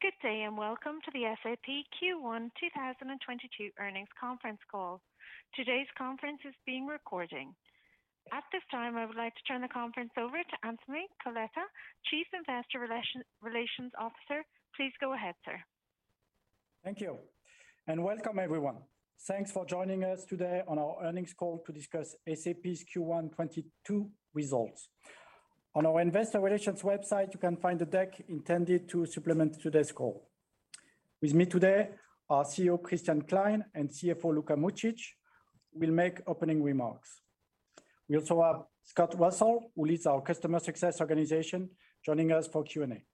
Good day, welcome to the SAP Q1 2022 earnings conference call. Today's conference is being recorded. At this time, I would like to turn the conference over to Anthony Coletta, Chief Investor Relations Officer. Please go ahead, sir. Thank you, and welcome everyone. Thanks for joining us today on our earnings call to discuss SAP's Q1 2022 results. On our investor relations website, you can find the deck intended to supplement today's call. With me today, our CEO, Christian Klein, and CFO, Luka Mucic, will make opening remarks. We also have Scott Russell, who leads our customer success organization, joining us for Q&A.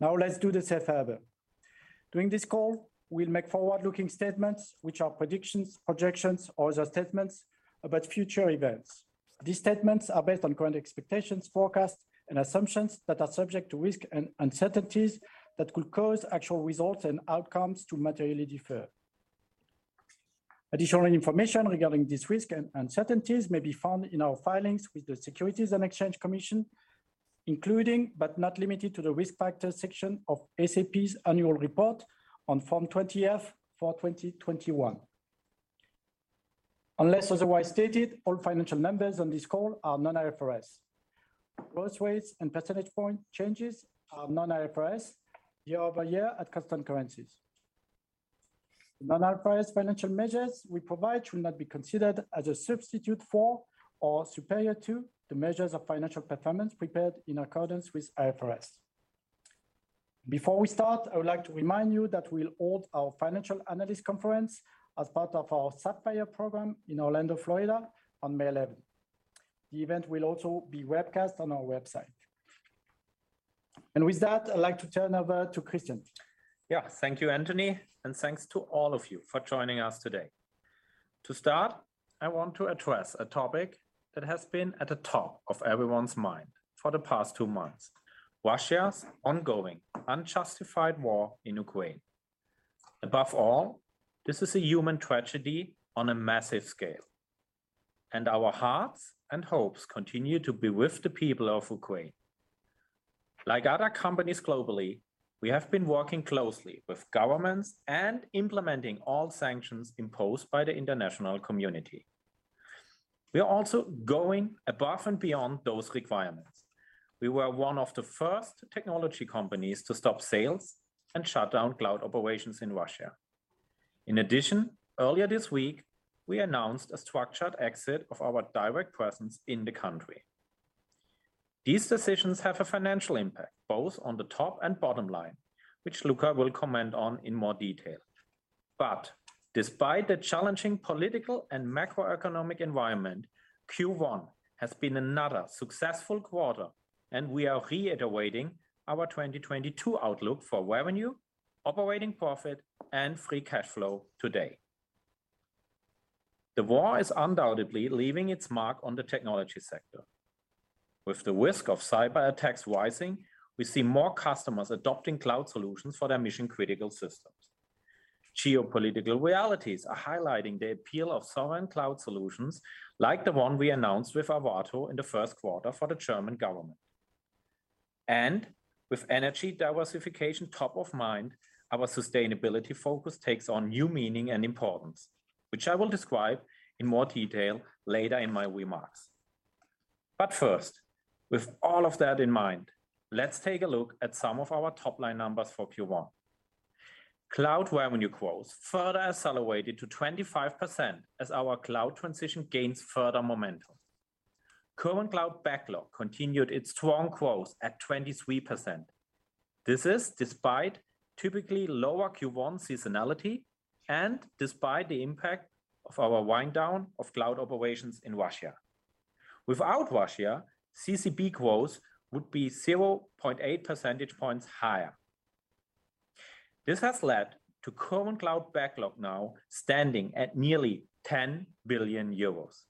Now let's do the safe harbor. During this call, we'll make forward-looking statements, which are predictions, projections, or other statements about future events. These statements are based on current expectations, forecasts, and assumptions that are subject to risk and uncertainties that could cause actual results and outcomes to materially differ. Additional information regarding this risk and uncertainties may be found in our filings with the Securities and Exchange Commission, including, but not limited to, the Risk Factors section of SAP's annual report on Form 20-F for 2021. Unless otherwise stated, all financial measures on this call are non-IFRS. Growth rates and percentage point changes are non-IFRS year-over-year at constant currencies. Non-IFRS financial measures we provide should not be considered as a substitute for or superior to the measures of financial performance prepared in accordance with IFRS. Before we start, I would like to remind you that we'll hold our financial analyst conference as part of our Sapphire program in Orlando, Florida on May 11. The event will also be webcast on our website. With that, I'd like to turn over to Christian. Yeah. Thank you, Anthony, and thanks to all of you for joining us today. To start, I want to address a topic that has been at the top of everyone's mind for the past two months, Russia's ongoing unjustified war in Ukraine. Above all, this is a human tragedy on a massive scale, and our hearts and hopes continue to be with the people of Ukraine. Like other companies globally, we have been working closely with governments and implementing all sanctions imposed by the international community. We are also going above and beyond those requirements. We were one of the first technology companies to stop sales and shut down cloud operations in Russia. In addition, earlier this week, we announced a structured exit of our direct presence in the country. These decisions have a financial impact, both on the top and bottom line, which Luka will comment on in more detail. Despite the challenging political and macroeconomic environment, Q1 has been another successful quarter, and we are reiterating our 2022 outlook for revenue, operating profit, and free cash flow today. The war is undoubtedly leaving its mark on the technology sector. With the risk of cyberattacks rising, we see more customers adopting cloud solutions for their mission-critical systems. Geopolitical realities are highlighting the appeal of sovereign cloud solutions, like the one we announced with Arvato in the first quarter for the German government. With energy diversification top of mind, our sustainability focus takes on new meaning and importance, which I will describe in more detail later in my remarks. First, with all of that in mind, let's take a look at some of our top-line numbers for Q1. Cloud revenue growth further accelerated to 25% as our cloud transition gains further momentum. Current cloud backlog continued its strong growth at 23%. This is despite typically lower Q1 seasonality and despite the impact of our wind down of cloud operations in Russia. Without Russia, CCB growth would be 0.8 percentage points higher. This has led to current cloud backlog now standing at nearly 10 billion euros.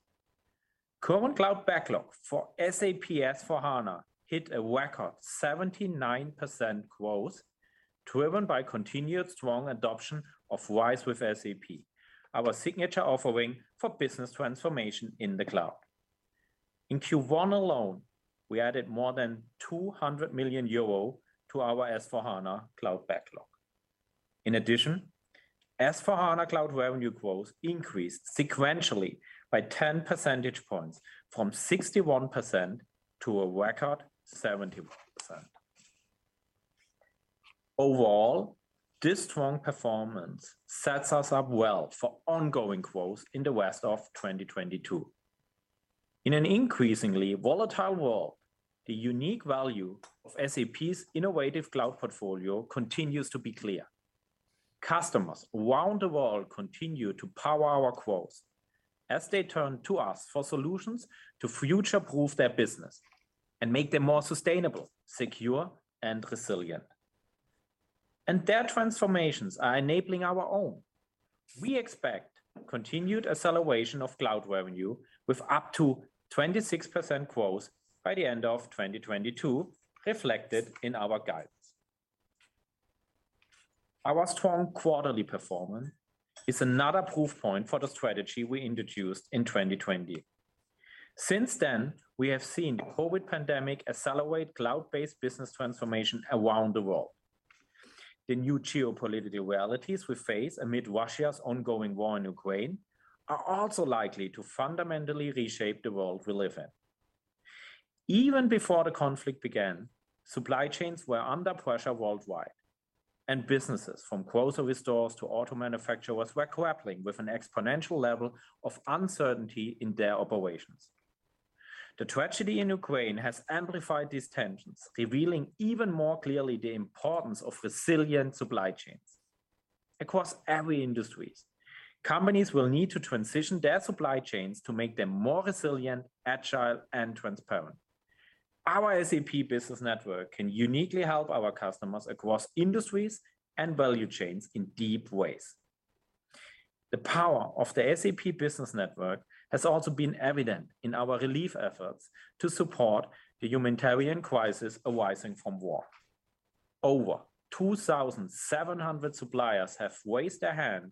Current cloud backlog for SAP S/4HANA hit a record 79% growth, driven by continued strong adoption of RISE with SAP, our signature offering for business transformation in the cloud. In Q1 alone, we added more than 200 million euro to our S/4HANA Cloud backlog. In addition, S/4HANA Cloud revenue growth increased sequentially by 10 percentage points from 61% to a record 71%. Overall, this strong performance sets us up well for ongoing growth in the rest of 2022. In an increasingly volatile world, the unique value of SAP's innovative cloud portfolio continues to be clear. Customers around the world continue to power our growth as they turn to us for solutions to future-proof their business and make them more sustainable, secure, and resilient. Their transformations are enabling our own. We expect continued acceleration of cloud revenue with up to 26% growth by the end of 2022, reflected in our guidance. Our strong quarterly performance is another proof point for the strategy we introduced in 2020. Since then, we have seen the COVID-19 pandemic accelerate cloud-based business transformation around the world. The new geopolitical realities we face amid Russia's ongoing war in Ukraine are also likely to fundamentally reshape the world we live in. Even before the conflict began, supply chains were under pressure worldwide, and businesses from grocery stores to auto manufacturers were grappling with an exponential level of uncertainty in their operations. The tragedy in Ukraine has amplified these tensions, revealing even more clearly the importance of resilient supply chains. Across every industry, companies will need to transition their supply chains to make them more resilient, agile, and transparent. Our SAP Business Network can uniquely help our customers across industries and value chains in deep ways. The power of the SAP Business Network has also been evident in our relief efforts to support the humanitarian crisis arising from war. Over 2,700 suppliers have raised their hand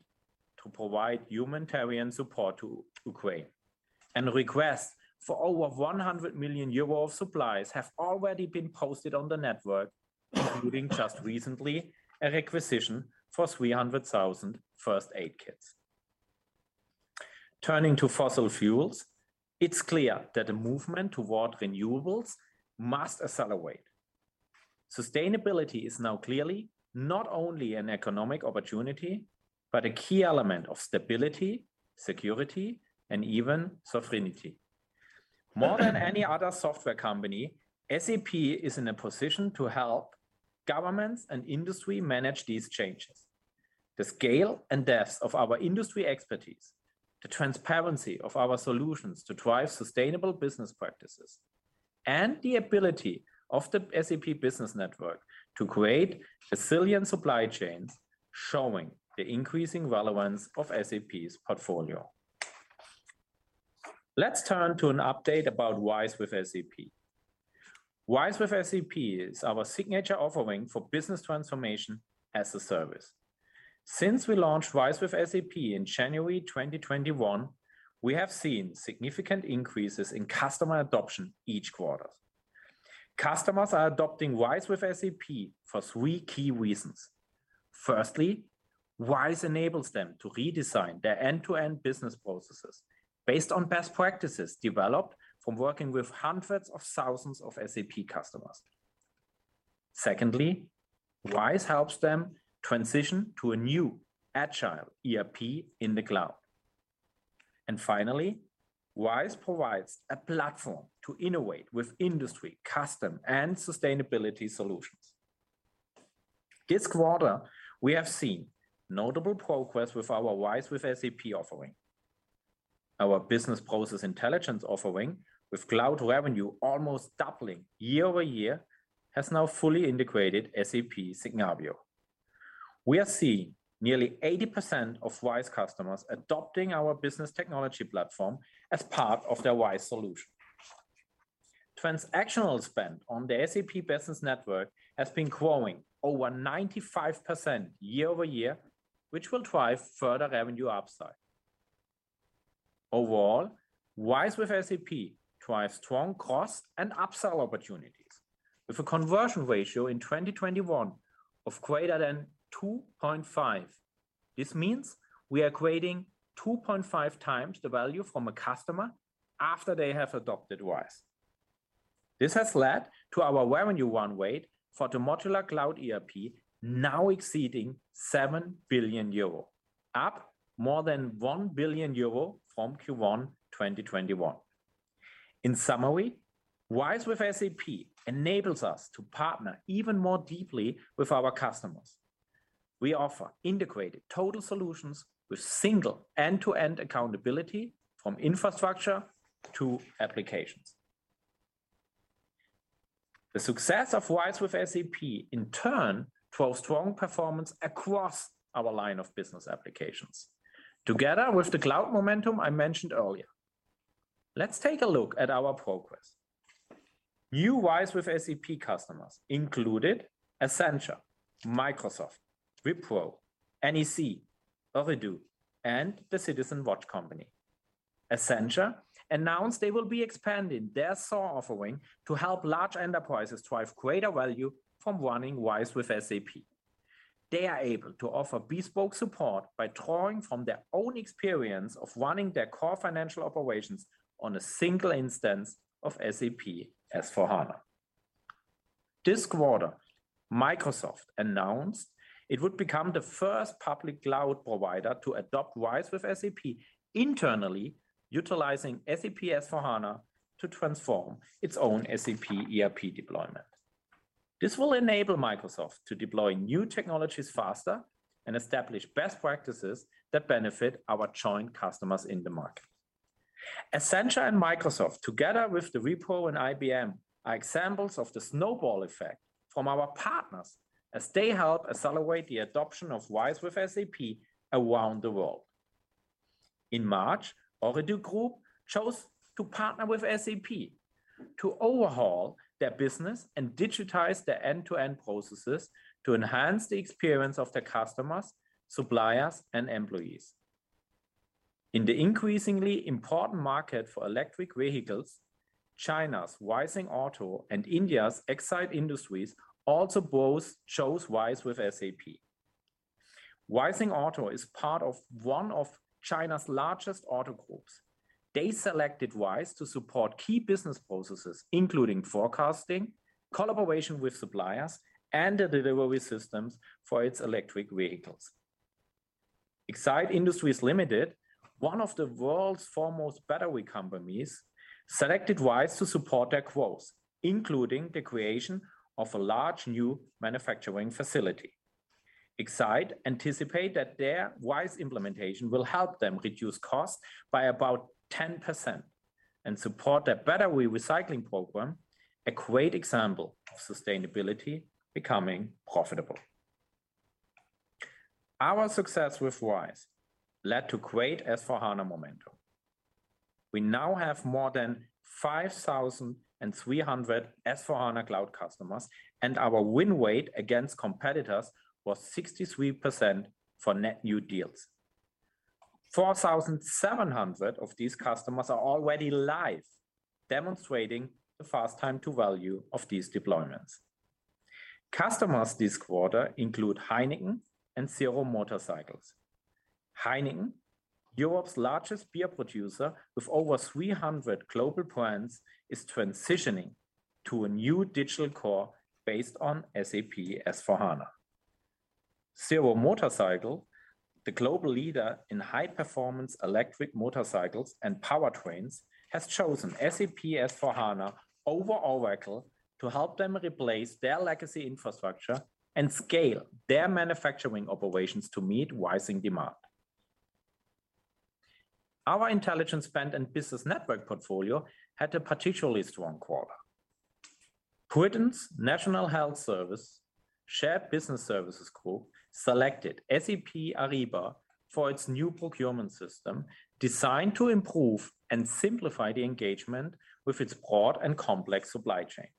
to provide humanitarian support to Ukraine, and requests for over 100 million euro of supplies have already been posted on the Network, including just recently, a requisition for 300,000 first aid kits. Turning to fossil fuels, it's clear that the movement toward renewables must accelerate. Sustainability is now clearly not only an economic opportunity, but a key element of stability, security, and even sovereignty. More than any other software company, SAP is in a position to help governments and industry manage these changes. The scale and depth of our industry expertise, the transparency of our solutions to drive sustainable business practices, and the ability of the SAP Business Network to create resilient supply chains, showing the increasing relevance of SAP's portfolio. Let's turn to an update about RISE with SAP. RISE with SAP is our signature offering for business transformation as a service. Since we launched RISE with SAP in January 2021, we have seen significant increases in customer adoption each quarter. Customers are adopting RISE with SAP for three key reasons. First, RISE enables them to redesign their end-to-end business processes based on best practices developed from working with hundreds of thousands of SAP customers. Second, RISE helps them transition to a new agile ERP in the cloud. Finally, RISE provides a platform to innovate with industry, custom, and sustainability solutions. This quarter, we have seen notable progress with our RISE with SAP offering. Our Business Process Intelligence offering with cloud revenue almost doubling year-over-year has now fully integrated SAP Signavio. We are seeing nearly 80% of RISE customers adopting our Business Technology Platform as part of their RISE solution. Transactional spend on the SAP Business Network has been growing over 95% year-over-year, which will drive further revenue upside. Overall, RISE with SAP drives strong cost and upsell opportunities with a conversion ratio in 2021 of greater than 2.5. This means we are creating 2.5x mes the value from a customer after they have adopted RISE. This has led to our revenue run rate for the modular cloud ERP now exceeding 7 billion euro, up more than 1 billion euro from Q1 2021. In summary, RISE with SAP enables us to partner even more deeply with our customers. We offer integrated total solutions with single end-to-end accountability from infrastructure to applications. The success of RISE with SAP, in turn, drove strong performance across our line of business applications, together with the cloud momentum I mentioned earlier. Let's take a look at our progress. New RISE with SAP customers included Accenture, Microsoft, Wipro, NEC, Ooredoo, and the Citizen Watch Company. Accenture announced they will be expanding their SOAR offering to help large enterprises drive greater value from running RISE with SAP. They are able to offer bespoke support by drawing from their own experience of running their core financial operations on a single instance of SAP S/4HANA. This quarter, Microsoft announced it would become the first public-cloud provider to adopt RISE with SAP internally, utilizing SAP S/4HANA to transform its own SAP ERP deployment. This will enable Microsoft to deploy new technologies faster and establish best practices that benefit our joint customers in the market. Accenture and Microsoft, together with Wipro and IBM, are examples of the snowball effect from our partners as they help accelerate the adoption of RISE with SAP around the world. In March, Ooredoo Group chose to partner with SAP to overhaul their business and digitize their end-to-end processes to enhance the experience of their customers, suppliers, and employees. In the increasingly important market for electric vehicles, China's Rising Auto and India's Exide Industries also both chose RISE with SAP. Rising Auto is part of one of China's largest auto groups. They selected RISE to support key business processes, including forecasting, collaboration with suppliers, and the delivery systems for its electric vehicles. Exide Industries Limited, one of the world's foremost battery companies, selected RISE to support their growth, including the creation of a large new manufacturing facility. Exide anticipate that their RISE implementation will help them reduce costs by about 10% and support their battery recycling program, a great example of sustainability becoming profitable. Our success with RISE led to great S/4HANA momentum. We now have more than 5,300 S/4HANA Cloud customers, and our win rate against competitors was 63% for net new deals. 4,700 of these customers are already live, demonstrating the fast time to value of these deployments. Customers this quarter include Heineken and Zero Motorcycles. Heineken, Europe's largest beer producer with over 300 global brands, is transitioning to a new digital core based on SAP S/4HANA. Zero Motorcycles, the global leader in high-performance electric motorcycles and powertrains, has chosen SAP S/4HANA over Oracle to help them replace their legacy infrastructure and scale their manufacturing operations to meet rising demand. Our Intelligent Spend and Business Network portfolio had a particularly strong quarter. National Health Service, Shared Business Services, selected SAP Ariba for its new procurement system designed to improve and simplify the engagement with its broad and complex supply chain.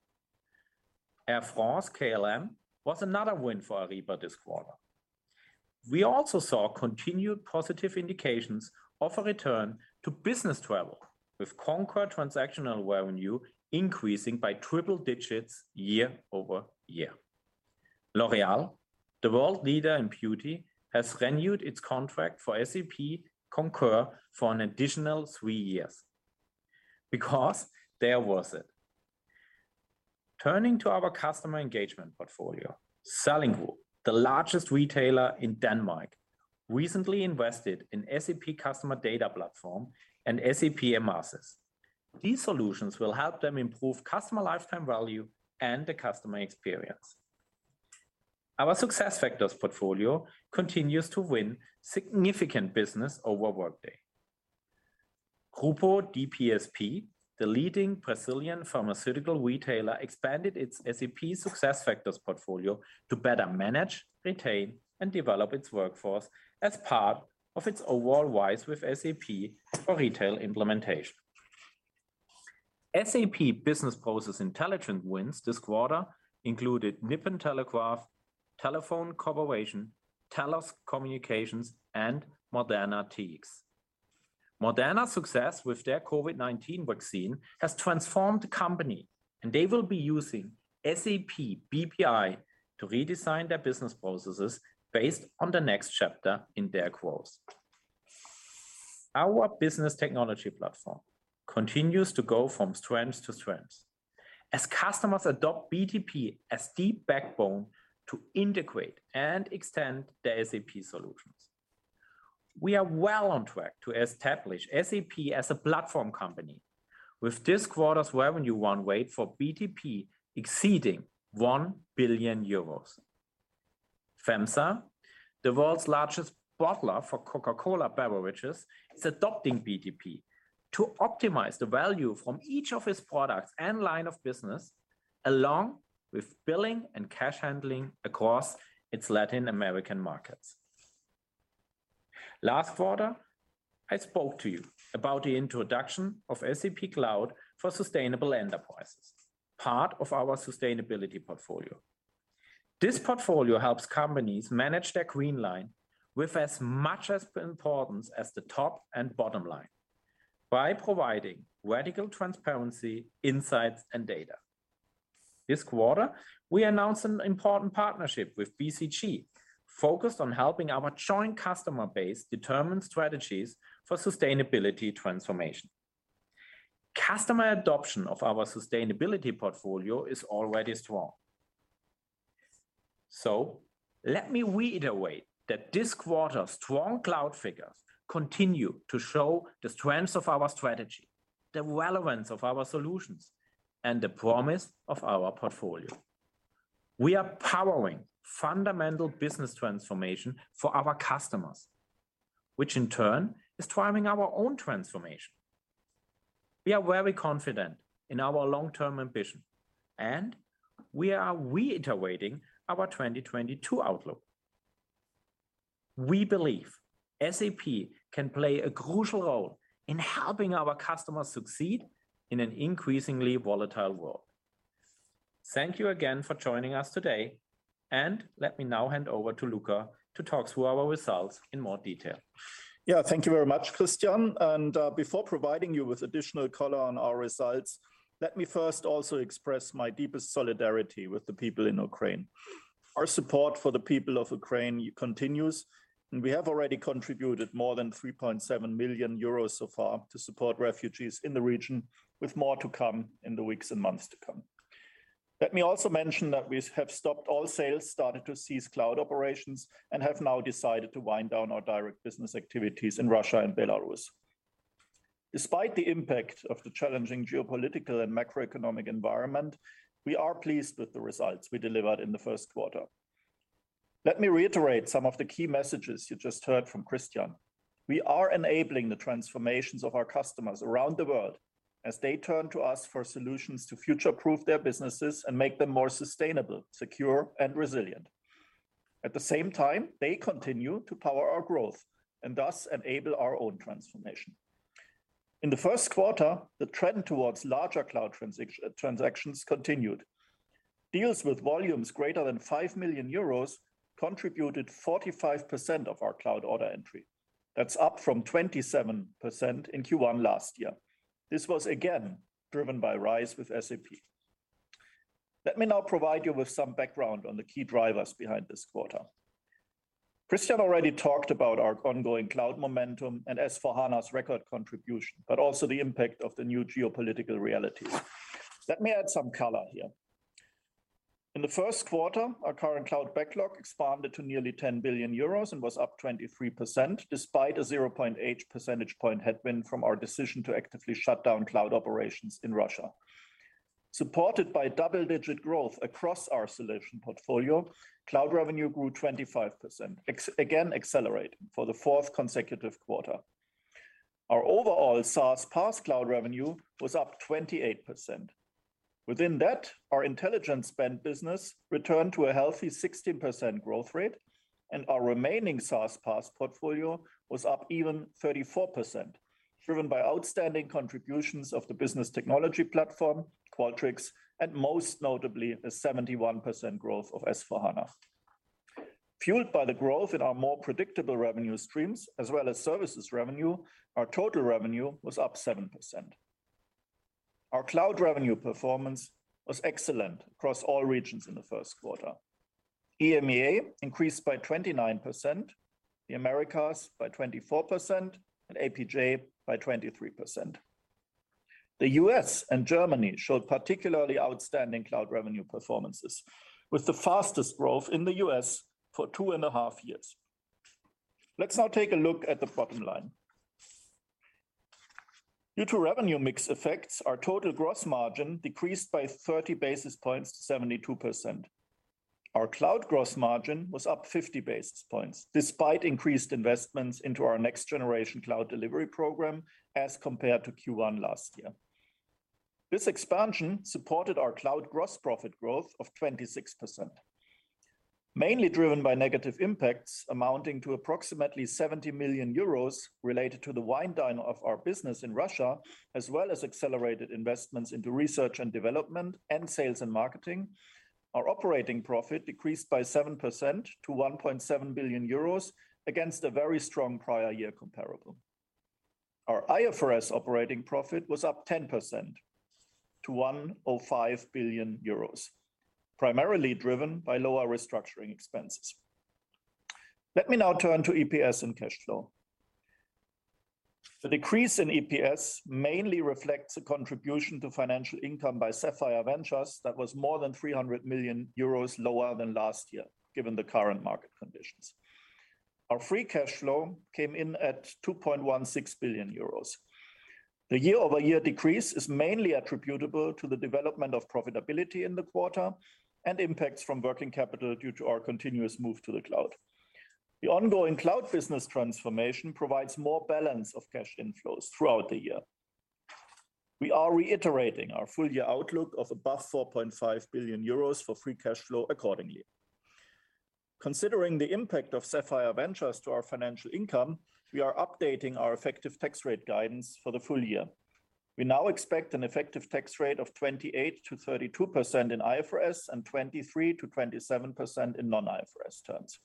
Air France-KLM was another win for Ariba this quarter. We also saw continued positive indications of a return to business travel with Concur transactional revenue increasing by triple digits year-over-year. L'Oréal, the world leader in beauty, has renewed its contract for SAP Concur for an additional three years because they're worth it. Turning to our customer engagement portfolio, Salling Group, the largest retailer in Denmark, recently invested in SAP Customer Data Platform and SAP Emarsys. These solutions will help them improve customer lifetime value and the customer experience. Our SuccessFactors portfolio continues to win significant business over Workday. Grupo DPSP, the leading Brazilian pharmaceutical retailer, expanded its SAP SuccessFactors portfolio to better manage, retain, and develop its workforce as part of its overall RISE with SAP for retail implementation. SAP Business Process Intelligence wins this quarter included Nippon Telegraph and Telephone Corporation, TELUS Communications, and Moderna. Moderna's success with their COVID-19 vaccine has transformed the company, and they will be using SAP BPI to redesign their business processes based on the next chapter in their growth. Our SAP Business Technology Platform continues to go from strength to strength. As customers adopt BTP as deep backbone to integrate and extend their SAP solutions. We are well on track to establish SAP as a platform company. With this quarter's revenue run rate for BTP exceeding 1 billion euros. FEMSA, the world's largest bottler for Coca-Cola beverages, is adopting BTP to optimize the value from each of its products and line of business, along with billing and cash handling across its Latin American markets. Last quarter, I spoke to you about the introduction of SAP Cloud for Sustainable Enterprises, part of our sustainability portfolio. This portfolio helps companies manage their green line with as much importance as the top and bottom line by providing radical transparency, insights, and data. This quarter, we announced an important partnership with BCG focused on helping our joint customer base determine strategies for sustainability transformation. Customer adoption of our sustainability portfolio is already strong. Let me reiterate that this quarter's strong cloud figures continue to show the strength of our strategy, the relevance of our solutions, and the promise of our portfolio. We are powering fundamental business transformation for our customers, which in turn is driving our own transformation. We are very confident in our long-term ambition, and we are reiterating our 2022 outlook. We believe SAP can play a crucial role in helping our customers succeed in an increasingly volatile world. Thank you again for joining us today, and let me now hand over to Luka to talk through our results in more detail. Yeah. Thank you very much, Christian. Before providing you with additional color on our results, let me first also express my deepest solidarity with the people in Ukraine. Our support for the people of Ukraine continues, and we have already contributed more than 3.7 million euros so far to support refugees in the region, with more to come in the weeks and months to come. Let me also mention that we have stopped all sales, started to cease cloud operations, and have now decided to wind down our direct business activities in Russia and Belarus. Despite the impact of the challenging geopolitical and macroeconomic environment, we are pleased with the results we delivered in the first quarter. Let me reiterate some of the key messages you just heard from Christian. We are enabling the transformations of our customers around the world as they turn to us for solutions to future-proof their businesses and make them more sustainable, secure and resilient. At the same time, they continue to power our growth and thus enable our own transformation. In the first quarter, the trend towards larger cloud transactions continued. Deals with volumes greater than 5 million euros contributed 45% of our cloud order entry. That's up from 27% in Q1 last year. This was again driven by RISE with SAP. Let me now provide you with some background on the key drivers behind this quarter. Christian already talked about our ongoing cloud momentum and S/4HANA's record contribution, but also the impact of the new geopolitical reality. Let me add some color here. In the first quarter, our current cloud backlog expanded to nearly 10 billion euros and was up 23%, despite a 0.8 percentage point headwind from our decision to actively shut down cloud operations in Russia. Supported by double-digit growth across our solution portfolio, cloud revenue grew 25%, ex-FX accelerating for the fourth consecutive quarter. Our overall SaaS/PaaS cloud revenue was up 28%. Within that, our Intelligent Spend business returned to a healthy 16% growth rate, and our remaining SaaS/PaaS portfolio was up even 34%, driven by outstanding contributions of the Business Technology Platform, Qualtrics, and most notably, a 71% growth of S/4HANA. Fueled by the growth in our more predictable revenue streams as well as services revenue, our total revenue was up 7%. Our cloud revenue performance was excellent across all regions in the first quarter. EMEA increased by 29%, the Americas by 24%, and APJ by 23%. The U.S. and Germany showed particularly outstanding cloud revenue performances, with the fastest growth in the U.S. for two and a half years. Let's now take a look at the bottom line. Due to revenue mix effects, our total gross margin decreased by 30 basis points to 72%. Our cloud gross margin was up 50 basis points despite increased investments into our next generation cloud delivery program as compared to Q1 last year. This expansion supported our cloud gross profit growth of 26%. Mainly driven by negative impacts amounting to approximately 70 million euros related to the wind down of our business in Russia, as well as accelerated investments into research and development and sales and marketing, our operating profit decreased by 7% to 1.7 billion euros against a very strong prior year comparable. Our IFRS operating profit was up 10% to 1.05 billion euros, primarily driven by lower restructuring expenses. Let me now turn to EPS and cash flow. The decrease in EPS mainly reflects a contribution to financial income by Sapphire Ventures that was more than 300 million euros lower than last year, given the current market conditions. Our free cash flow came in at 2.16 billion euros. The year-over-year decrease is mainly attributable to the development of profitability in the quarter and impacts from working capital due to our continuous move to the cloud. The ongoing cloud business transformation provides more balance of cash inflows throughout the year. We are reiterating our full year outlook of above 4.5 billion euros for free cash flow accordingly. Considering the impact of Sapphire Ventures to our financial income, we are updating our effective tax rate guidance for the full year. We now expect an effective tax rate of 28%-32% in IFRS and 23%-27% in non-IFRS terms.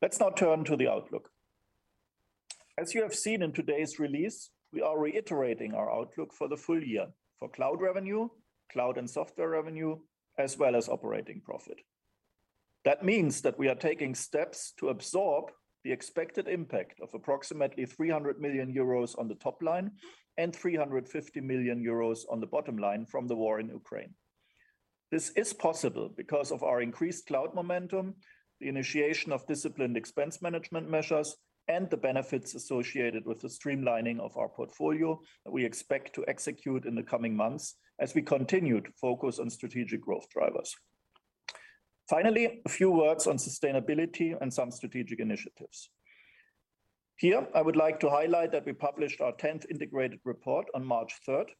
Let's now turn to the outlook. As you have seen in today's release, we are reiterating our outlook for the full year for cloud revenue, cloud and software revenue, as well as operating profit. That means that we are taking steps to absorb the expected impact of approximately 300 million euros on the top line and 350 million euros on the bottom line from the war in Ukraine. This is possible because of our increased cloud momentum, the initiation of disciplined expense management measures, and the benefits associated with the streamlining of our portfolio that we expect to execute in the coming months as we continue to focus on strategic growth drivers. Finally, a few words on sustainability and some strategic initiatives. Here I would like to highlight that we published our 10th integrated report on March 3rd.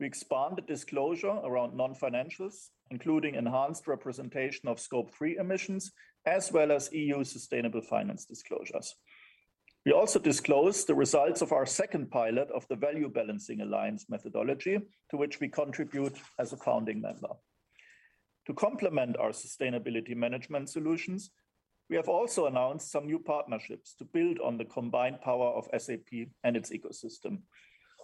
We expand the disclosure around non-financials, including enhanced representation of Scope 3 emissions, as well as EU Sustainable Finance disclosures. We also disclosed the results of our second pilot of the Value Balancing Alliance methodology, to which we contribute as a founding member. To complement our sustainability management solutions, we have also announced some new partnerships to build on the combined power of SAP and its ecosystem.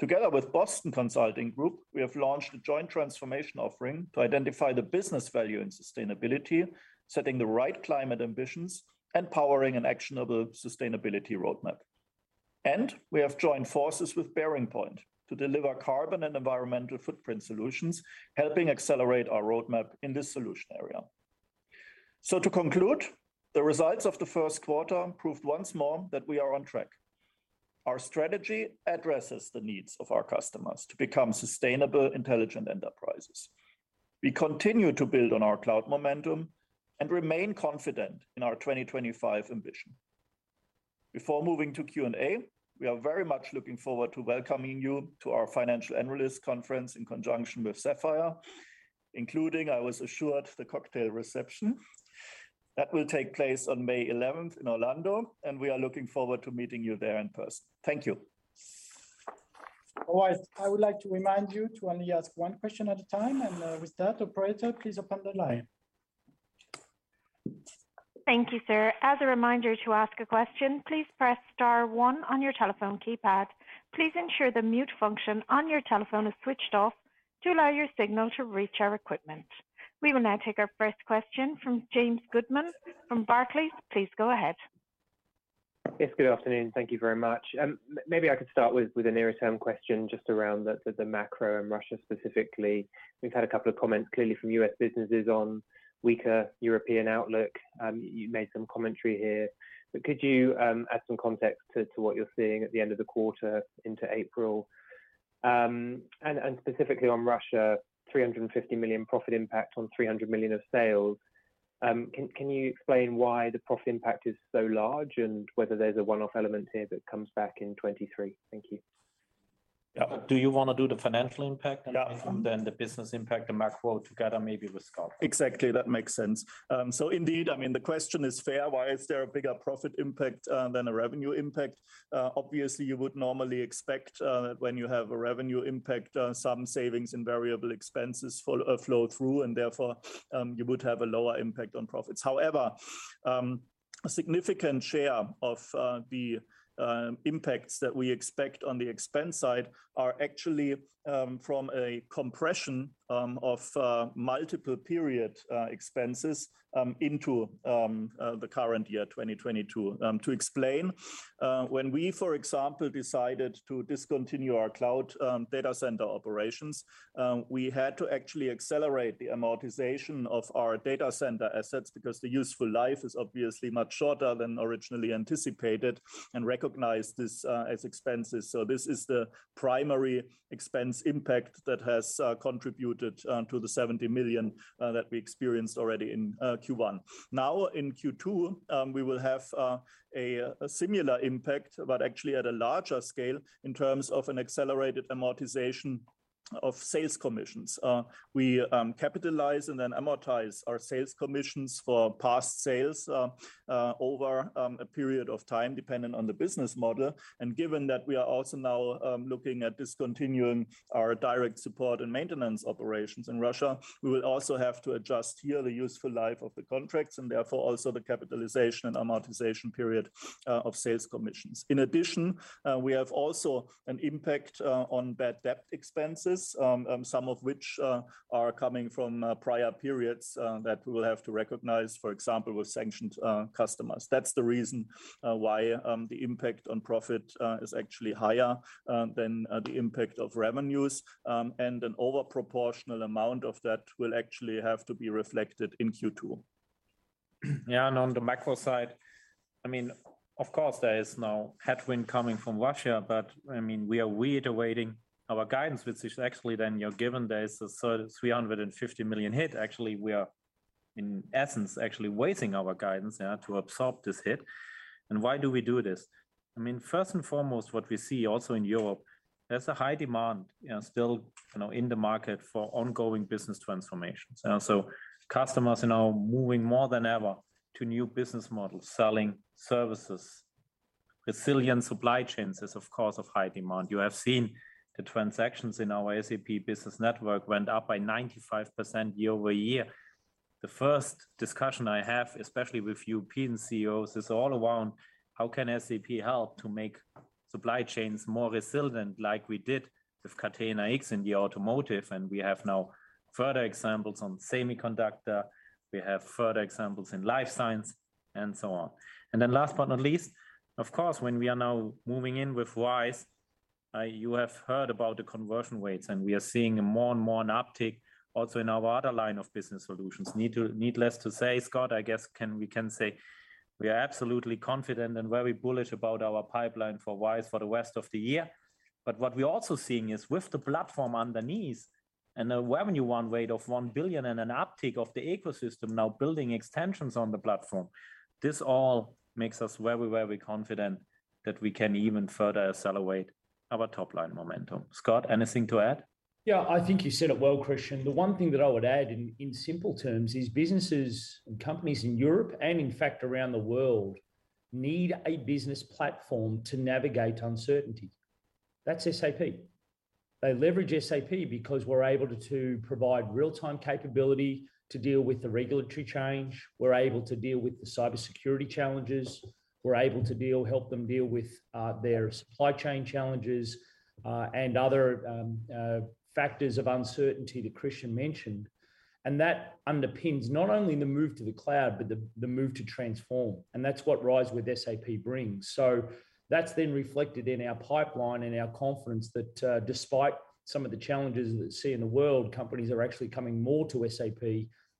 Together with Boston Consulting Group, we have launched a joint transformation offering to identify the business value in sustainability, setting the right climate ambitions, and powering an actionable sustainability roadmap. We have joined forces with BearingPoint to deliver carbon and environmental footprint solutions, helping accelerate our roadmap in this solution area. To conclude, the results of the first quarter proved once more that we are on track. Our strategy addresses the needs of our customers to become sustainable, intelligent enterprises. We continue to build on our cloud momentum and remain confident in our 2025 ambition. Before moving to Q&A, we are very much looking forward to welcoming you to our financial analyst conference in conjunction with Sapphire, including, I was assured, the cocktail reception. That will take place on May 11th in Orlando, and we are looking forward to meeting you there in person. Thank you. All right. I would like to remind you to only ask one question at a time, and with that, operator, please open the line. Thank you, sir. As a reminder to ask a question, please press star one on your telephone keypad. Please ensure the mute function on your telephone is switched off to allow your signal to reach our equipment. We will now take our first question from James Goodman from Barclays. Please go ahead. Yes, good afternoon. Thank you very much. Maybe I could start with a near-term question just around the macro and Russia specifically. We've had a couple of comments clearly from U.S. businesses on weaker European outlook. You made some commentary here. Could you add some context to what you're seeing at the end of the quarter into April? And specifically on Russia, 350 million profit impact on 300 million of sales. Can you explain why the profit impact is so large, and whether there's a one-off element here that comes back in 2023? Thank you. Yeah. Do you wanna do the financial impact? Yeah. the business impact and macro together maybe with Scott? Exactly. That makes sense. Indeed, I mean, the question is fair. Why is there a bigger profit impact than a revenue impact? Obviously you would normally expect, when you have a revenue impact, some savings and variable expenses flow through, and therefore, you would have a lower impact on profits. However, a significant share of the impacts that we expect on the expense side are actually from a compression of multiple period expenses into the current year, 2022. To explain, when we, for example, decided to discontinue our cloud data center operations, we had to actually accelerate the amortization of our data center assets because the useful life is obviously much shorter than originally anticipated and recognized this as expenses. This is the primary expense impact that has contributed to the 70 million that we experienced already in Q1. Now in Q2, we will have a similar impact, but actually at a larger scale in terms of an accelerated amortization of sales commissions. We capitalize and then amortize our sales commissions for past sales over a period of time dependent on the business model. Given that we are also now looking at discontinuing our direct support and maintenance operations in Russia, we will also have to adjust here the useful life of the contracts and therefore also the capitalization and amortization period of sales commissions. In addition, we have also an impact on bad debt expenses, some of which are coming from prior periods that we will have to recognize, for example, with sanctioned customers. That's the reason why the impact on profit is actually higher than the impact of revenues. An overproportional amount of that will actually have to be reflected in Q2. Yeah. On the macro side, I mean, of course, there is now headwind coming from Russia, but I mean, we are reiterating our guidance, which is actually, then, given there is a 350 million hit. Actually, we are in essence actually raising our guidance now to absorb this hit. Why do we do this? I mean, first and foremost, what we see also in Europe, there's a high demand, you know, still, you know, in the market for ongoing business transformations. Customers are now moving more than ever to new business models, selling services. Resilient supply chains is of course, of high demand. You have seen the transactions in our SAP Business Network went up by 95% year-over-year. The first discussion I have, especially with European CEOs, is all around how can SAP help to make supply chains more resilient like we did with Catena-X in the automotive, and we have now further examples on semiconductor, we have further examples in life science, and so on. Then last but not least, of course, when we are now moving in with RISE, you have heard about the conversion rates, and we are seeing more and more an uptick also in our other line of business solutions. Needless to say, Scott, I guess we can say we are absolutely confident and very bullish about our pipeline for RISE for the rest of the year. What we're also seeing is with the platform underneath and a revenue run rate of 1 billion and an uptick of the ecosystem now building extensions on the platform, this all makes us very, very confident that we can even further accelerate our top-line momentum. Scott, anything to add? Yeah. I think you said it well, Christian. The one thing that I would add in simple terms is businesses and companies in Europe, and in fact around the world, need a business platform to navigate uncertainty. That's SAP. They leverage SAP because we're able to provide real-time capability to deal with the regulatory change. We're able to deal with the cybersecurity challenges. We're able to help them deal with their supply chain challenges, and other factors of uncertainty that Christian mentioned. That underpins not only the move to the cloud, but the move to transform. That's what RISE with SAP brings. that's then reflected in our pipeline and our confidence that, despite some of the challenges that we see in the world, companies are actually coming more to SAP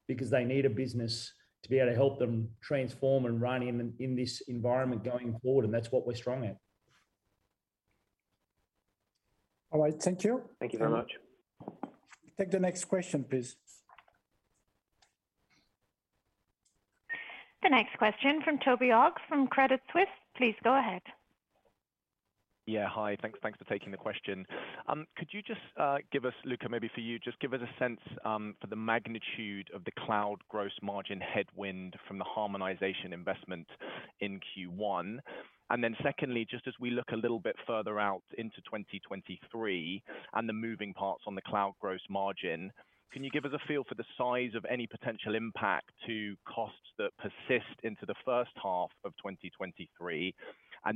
because they need a business to be able to help them transform and run in this environment going forward, and that's what we're strong at. All right, thank you. Thank you very much. Take the next question, please. The next question from Toby Ogg from Credit Suisse. Please go ahead. Yeah. Hi. Thanks for taking the question. Could you just give us, Luka, maybe for you, just give us a sense for the magnitude of the cloud gross margin headwind from the harmonization investment in Q1. Then secondly, just as we look a little bit further out into 2023 and the moving parts on the cloud gross margin, can you give us a feel for the size of any potential impact to costs that persist into the first half of 2023?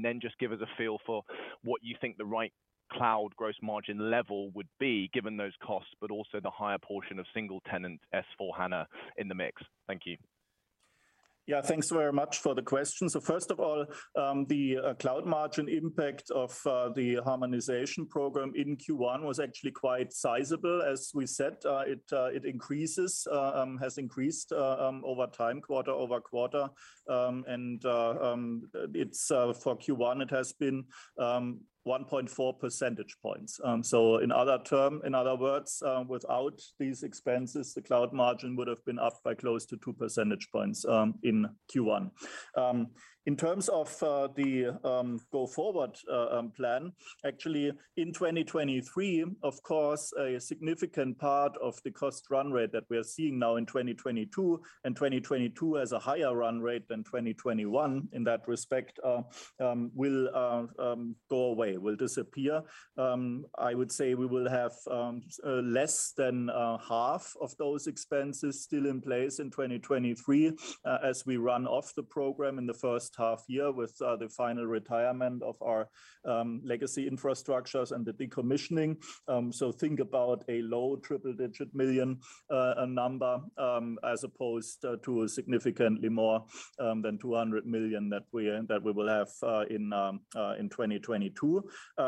Then just give us a feel for what you think the right cloud gross margin level would be given those costs, but also the higher portion of single-tenant S/4HANA in the mix. Thank you. Yeah, thanks very much for the question. First of all, the cloud margin impact of the harmonization program in Q1 was actually quite sizable. As we said, it has increased over time, quarter-over-quarter. For Q1, it has been 1.4 percentage points. In other words, without these expenses, the cloud margin would have been up by close to 2 percentage points in Q1. In terms of the go-forward plan, actually in 2023, of course, a significant part of the cost run rate that we are seeing now in 2022, and 2022 has a higher run rate than 2021 in that respect, will disappear. I would say we will have less than half of those expenses still in place in 2023, as we run off the program in the first half year with the final retirement of our legacy infrastructures and the decommissioning. So think about a low triple-digit million number, as opposed to significantly more than 200 million that we will have in 2022.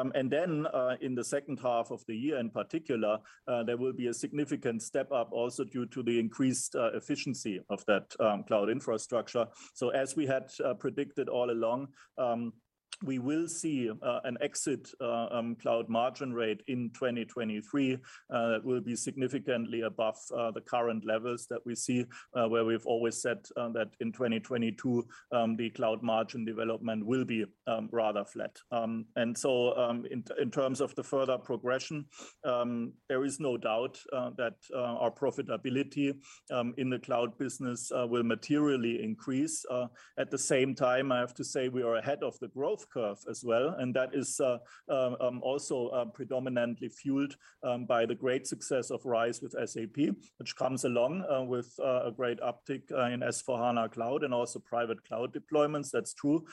In the second half of the year in particular, there will be a significant step up also due to the increased efficiency of that cloud infrastructure. As we had predicted all along, we will see an exit cloud margin rate in 2023 that will be significantly above the current levels that we see, where we've always said that in 2022 the cloud margin development will be rather flat. In terms of the further progression, there is no doubt that our profitability in the cloud business will materially increase. At the same time, I have to say we are ahead of the growth curve as well, and that is also predominantly fueled by the great success of RISE with SAP, which comes along with a great uptick in S/4HANA Cloud and also private cloud deployments, that's true.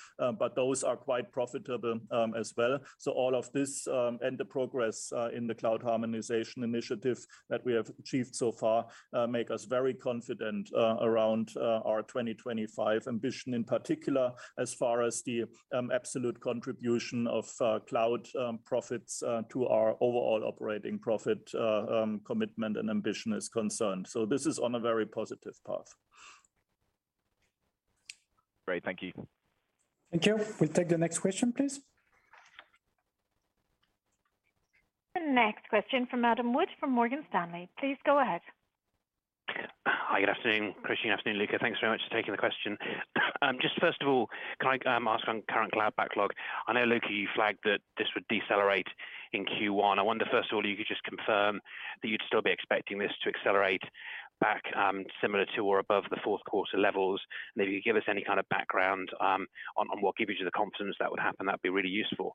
Those are quite profitable as well. All of this and the progress in the cloud harmonization initiative that we have achieved so far make us very confident around our 2025 ambition in particular as far as the absolute contribution of cloud profits to our overall operating profit commitment and ambition is concerned. This is on a very positive path. Great. Thank you. Thank you. We'll take the next question, please. The next question from Adam Wood from Morgan Stanley. Please go ahead. Hi, good afternoon, Christian. Afternoon, Luka. Thanks very much for taking the question. Just first of all, can I ask on current cloud backlog? I know, Luka, you flagged that this would decelerate in Q1. I wonder if, first of all, you could just confirm that you'd still be expecting this to accelerate back, similar to or above the fourth quarter levels. If you could give us any kind of background on what gives you the confidence that would happen, that'd be really useful.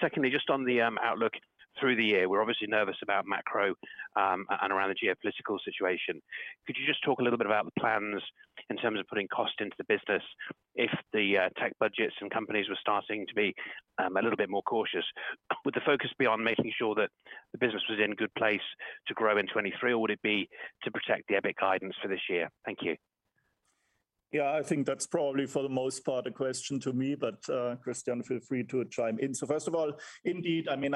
Secondly, just on the outlook through the year, we're obviously nervous about macro and around the geopolitical situation. Could you just talk a little bit about the plans in terms of putting cost into the business if the tech budgets and companies were starting to be a little bit more cautious? Would the focus be on making sure that the business was in a good place to grow in 2023, or would it be to protect the EBIT guidance for this year? Thank you. Yeah, I think that's probably for the most part a question to me, but Christian, feel free to chime in. So first of all, indeed, I mean,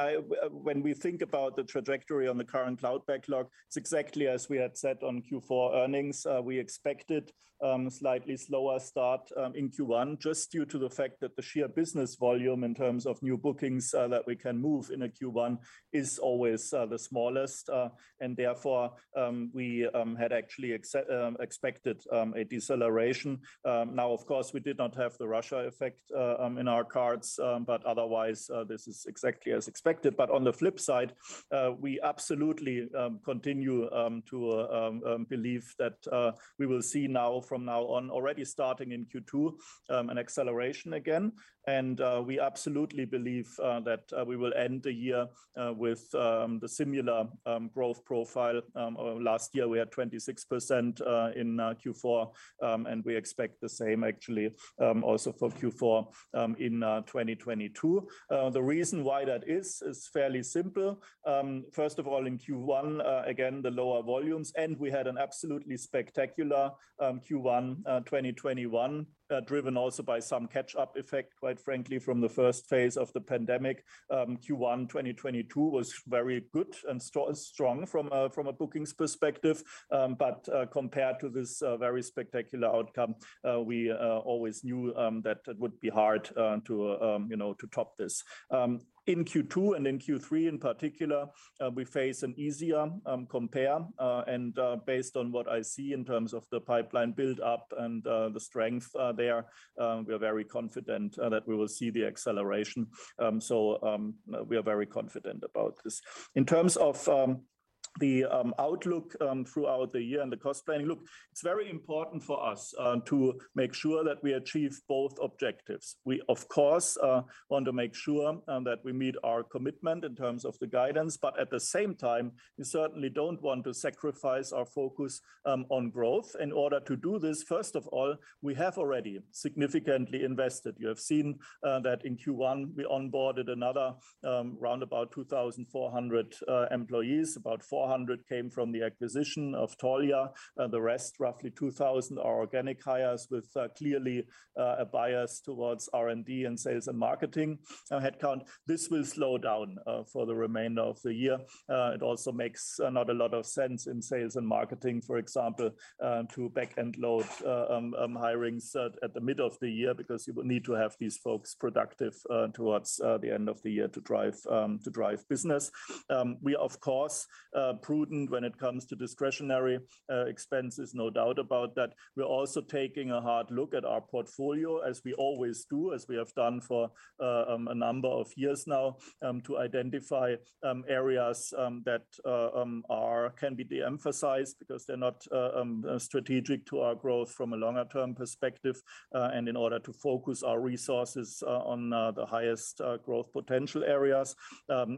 when we think about the trajectory on the current cloud backlog, it's exactly as we had said on Q4 earnings. We expected slightly slower start in Q1 just due to the fact that the sheer business volume in terms of new bookings that we can move in a Q1 is always the smallest. Therefore, we had actually expected a deceleration. Now, of course, we did not have the Russia effect in our cards, but otherwise, this is exactly as expected. On the flip side, we absolutely continue to believe that we will see now from now on already starting in Q2, an acceleration again. We absolutely believe that we will end the year with the similar growth profile of last year. We had 26% in Q4, and we expect the same actually also for Q4 in 2022. The reason why that is fairly simple. First of all, in Q1, again, the lower volumes, and we had an absolutely spectacular Q1 2021, driven also by some catch-up effect, quite frankly, from the first phase of the pandemic. Q1 2022 was very good and strong from a bookings perspective. Compared to this very spectacular outcome, we always knew that it would be hard, you know, to top this. In Q2 and in Q3 in particular, we face an easier compare and based on what I see in terms of the pipeline build up and the strength there, we are very confident that we will see the acceleration. We are very confident about this. In terms of the outlook throughout the year and the cost planning, look, it's very important for us to make sure that we achieve both objectives. We of course want to make sure that we meet our commitment in terms of the guidance, but at the same time, we certainly don't want to sacrifice our focus on growth. In order to do this, first of all, we have already significantly invested. You have seen that in Q1 we onboarded another roundabout 2,400 employees. About 400 came from the acquisition of Taulia. The rest, roughly 2,000 are organic hires with clearly a bias towards R&D and sales and marketing headcount. This will slow down for the remainder of the year. It also makes not a lot of sense in sales and marketing, for example, to back-end load hirings at the middle of the year because you will need to have these folks productive towards the end of the year to drive business. We are of course prudent when it comes to discretionary expenses, no doubt about that. We're also taking a hard look at our portfolio as we always do, as we have done for a number of years now, to identify areas that can be de-emphasized because they're not strategic to our growth from a longer-term perspective, and in order to focus our resources on the highest growth potential areas.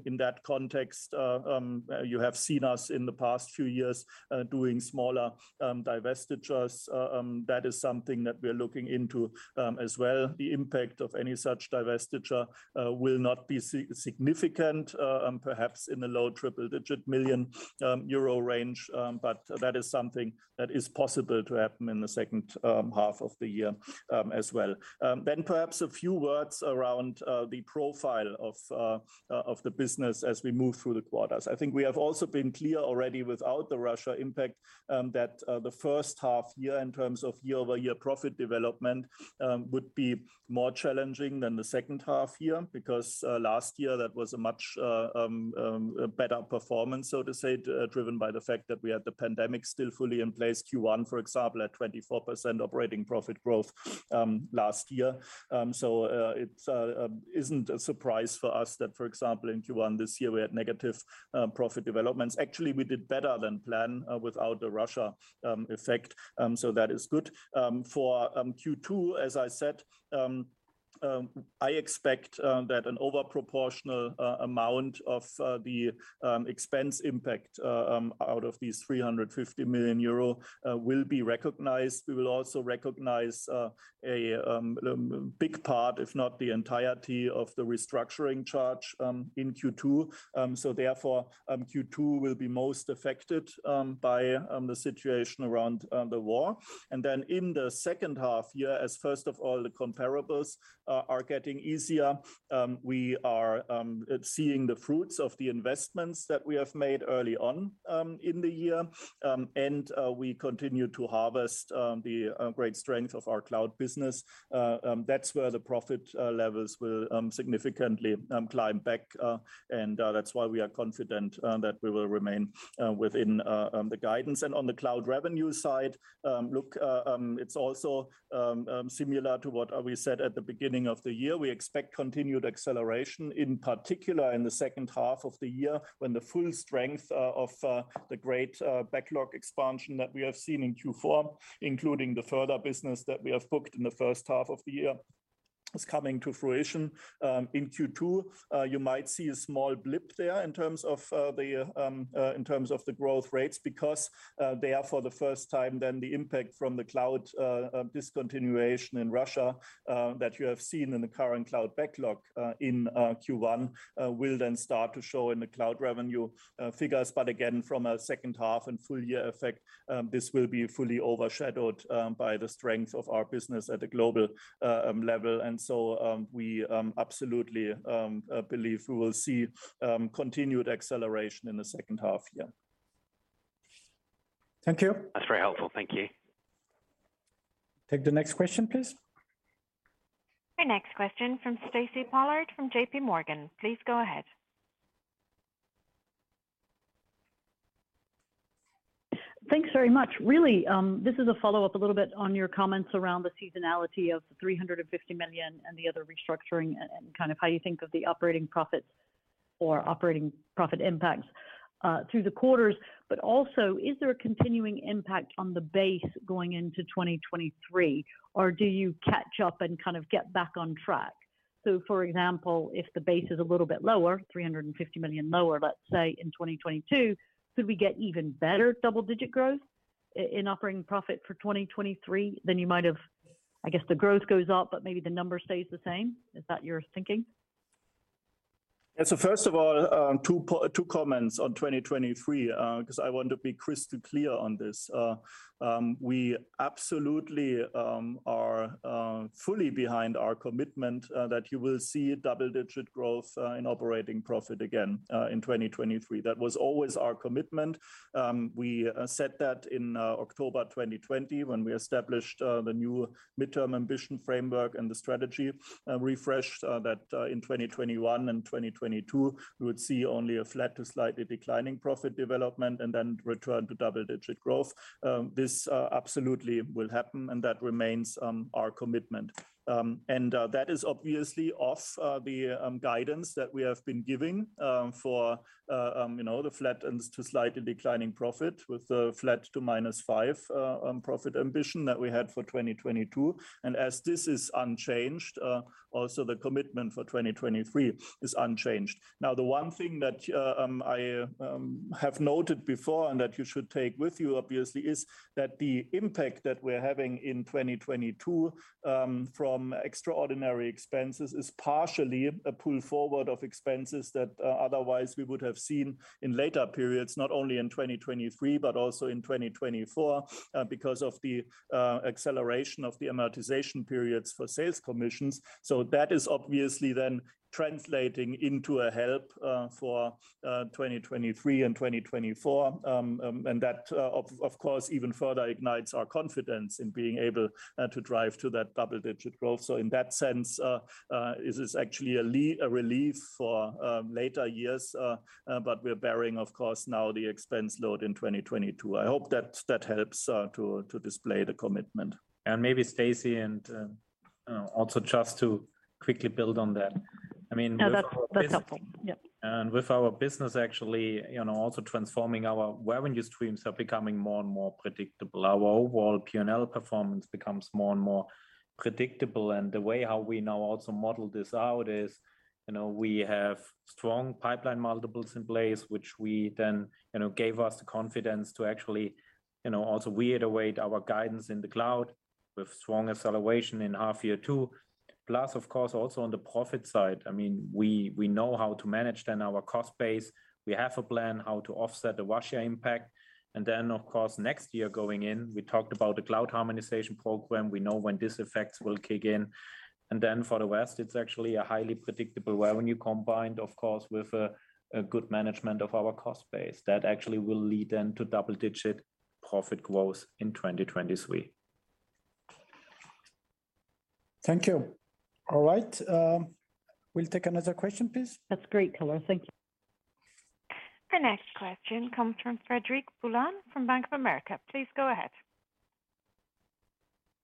In that context, you have seen us in the past few years doing smaller divestitures. That is something that we're looking into as well. The impact of any such divestiture will not be significant, perhaps in the low triple-digit million Euro range, but that is something that is possible to happen in the second half of the year as well. Perhaps a few words around the profile of the business as we move through the quarters. I think we have also been clear already without the Russia impact, that the first half year in terms of year-over-year profit development would be more challenging than the second half year because last year that was a much better performance, so to say, driven by the fact that we had the pandemic still fully in place. Q1, for example, at 24% operating profit growth last year. It isn't a surprise for us that, for example, in Q1 this year we had negative profit developments. Actually, we did better than planned without the Russia effect, so that is good. For Q2, as I said, I expect that an overproportional amount of the expense impact out of these 350 million euro will be recognized. We will also recognize a big part, if not the entirety of the restructuring charge, in Q2. Q2 will be most affected by the situation around the war. In the second half year, as first of all the comparables are getting easier, we are seeing the fruits of the investments that we have made early on in the year. We continue to harvest the great strength of our cloud business. That's where the profit levels will significantly climb back, and that's why we are confident that we will remain within the guidance. On the cloud revenue side, it's also similar to what we said at the beginning of the year. We expect continued acceleration, in particular in the second half of the year when the full strength of the great backlog expansion that we have seen in Q4, including the further business that we have booked in the first half of the year is coming to fruition. In Q2, you might see a small blip there in terms of the growth rates because, for the first time, the impact from the cloud discontinuation in Russia that you have seen in the current cloud backlog in Q1 will then start to show in the cloud revenue figures. Again, from a second half and full year effect, this will be fully overshadowed by the strength of our business at a global level. We absolutely believe we will see continued acceleration in the second half year. Thank you. That's very helpful. Thank you. Take the next question, please. The next question from Stacy Pollard from JPMorgan. Please go ahead. Thanks very much. Really, this is a follow-up a little bit on your comments around the seasonality of the 350 million and the other restructuring and kind of how you think of the operating profits or operating profit impacts through the quarters. Also, is there a continuing impact on the base going into 2023 or do you catch up and kind of get back on track? For example, if the base is a little bit lower, 350 million lower, let's say in 2022, could we get even better double-digit growth in operating profit for 2023 than you might have? I guess the growth goes up, but maybe the number stays the same. Is that your thinking? Yeah. First of all, two comments on 2023, 'cause I want to be crystal clear on this. We absolutely are fully behind our commitment that you will see double-digit growth in operating profit again in 2023. That was always our commitment. We set that in October 2020 when we established the new midterm ambition framework and the strategy refresh that in 2021 and 2022 we would see only a flat to slightly declining profit development and then return to double-digit growth. This absolutely will happen, and that remains our commitment. That is obviously off the guidance that we have been giving for you know, the flat and slightly declining profit with the flat to -5% profit ambition that we had for 2022. As this is unchanged, also the commitment for 2023 is unchanged. Now, the one thing that I have noted before and that you should take with you obviously, is that the impact that we're having in 2022 from extraordinary expenses is partially a pull forward of expenses that otherwise we would have seen in later periods, not only in 2023, but also in 2024 because of the acceleration of the amortization periods for sales commissions. That is obviously then translating into a help for 2023 and 2024. That of course even further ignites our confidence in being able to drive to that double-digit growth. In that sense it is actually a relief for later years. We're bearing, of course, now the expense load in 2022. I hope that helps to display the commitment. Maybe Stacy and also just to quickly build on that. I mean No, that's helpful. Yep. With our business actually, you know, also transforming our revenue streams are becoming more and more predictable. Our overall P&L performance becomes more and more predictable. The way how we now also model this out is, you know, we have strong pipeline multiples in place, which we then, you know, gave us the confidence to actually, you know, also reiterate our guidance in the cloud with strong acceleration in half year two. Plus, of course, also on the profit side, I mean, we know how to manage then our cost base. We have a plan how to offset the Russia impact. Next year going in, we talked about the cloud harmonization program. We know when these effects will kick in. For the West, it's actually a highly predictable revenue combined, of course, with a good management of our cost base. That actually will lead then to double-digit profit growth in 2023. Thank you. All right, we'll take another question, please. That's great color. Thank you. Our next question comes from Frederic Boulan from Bank of America. Please go ahead.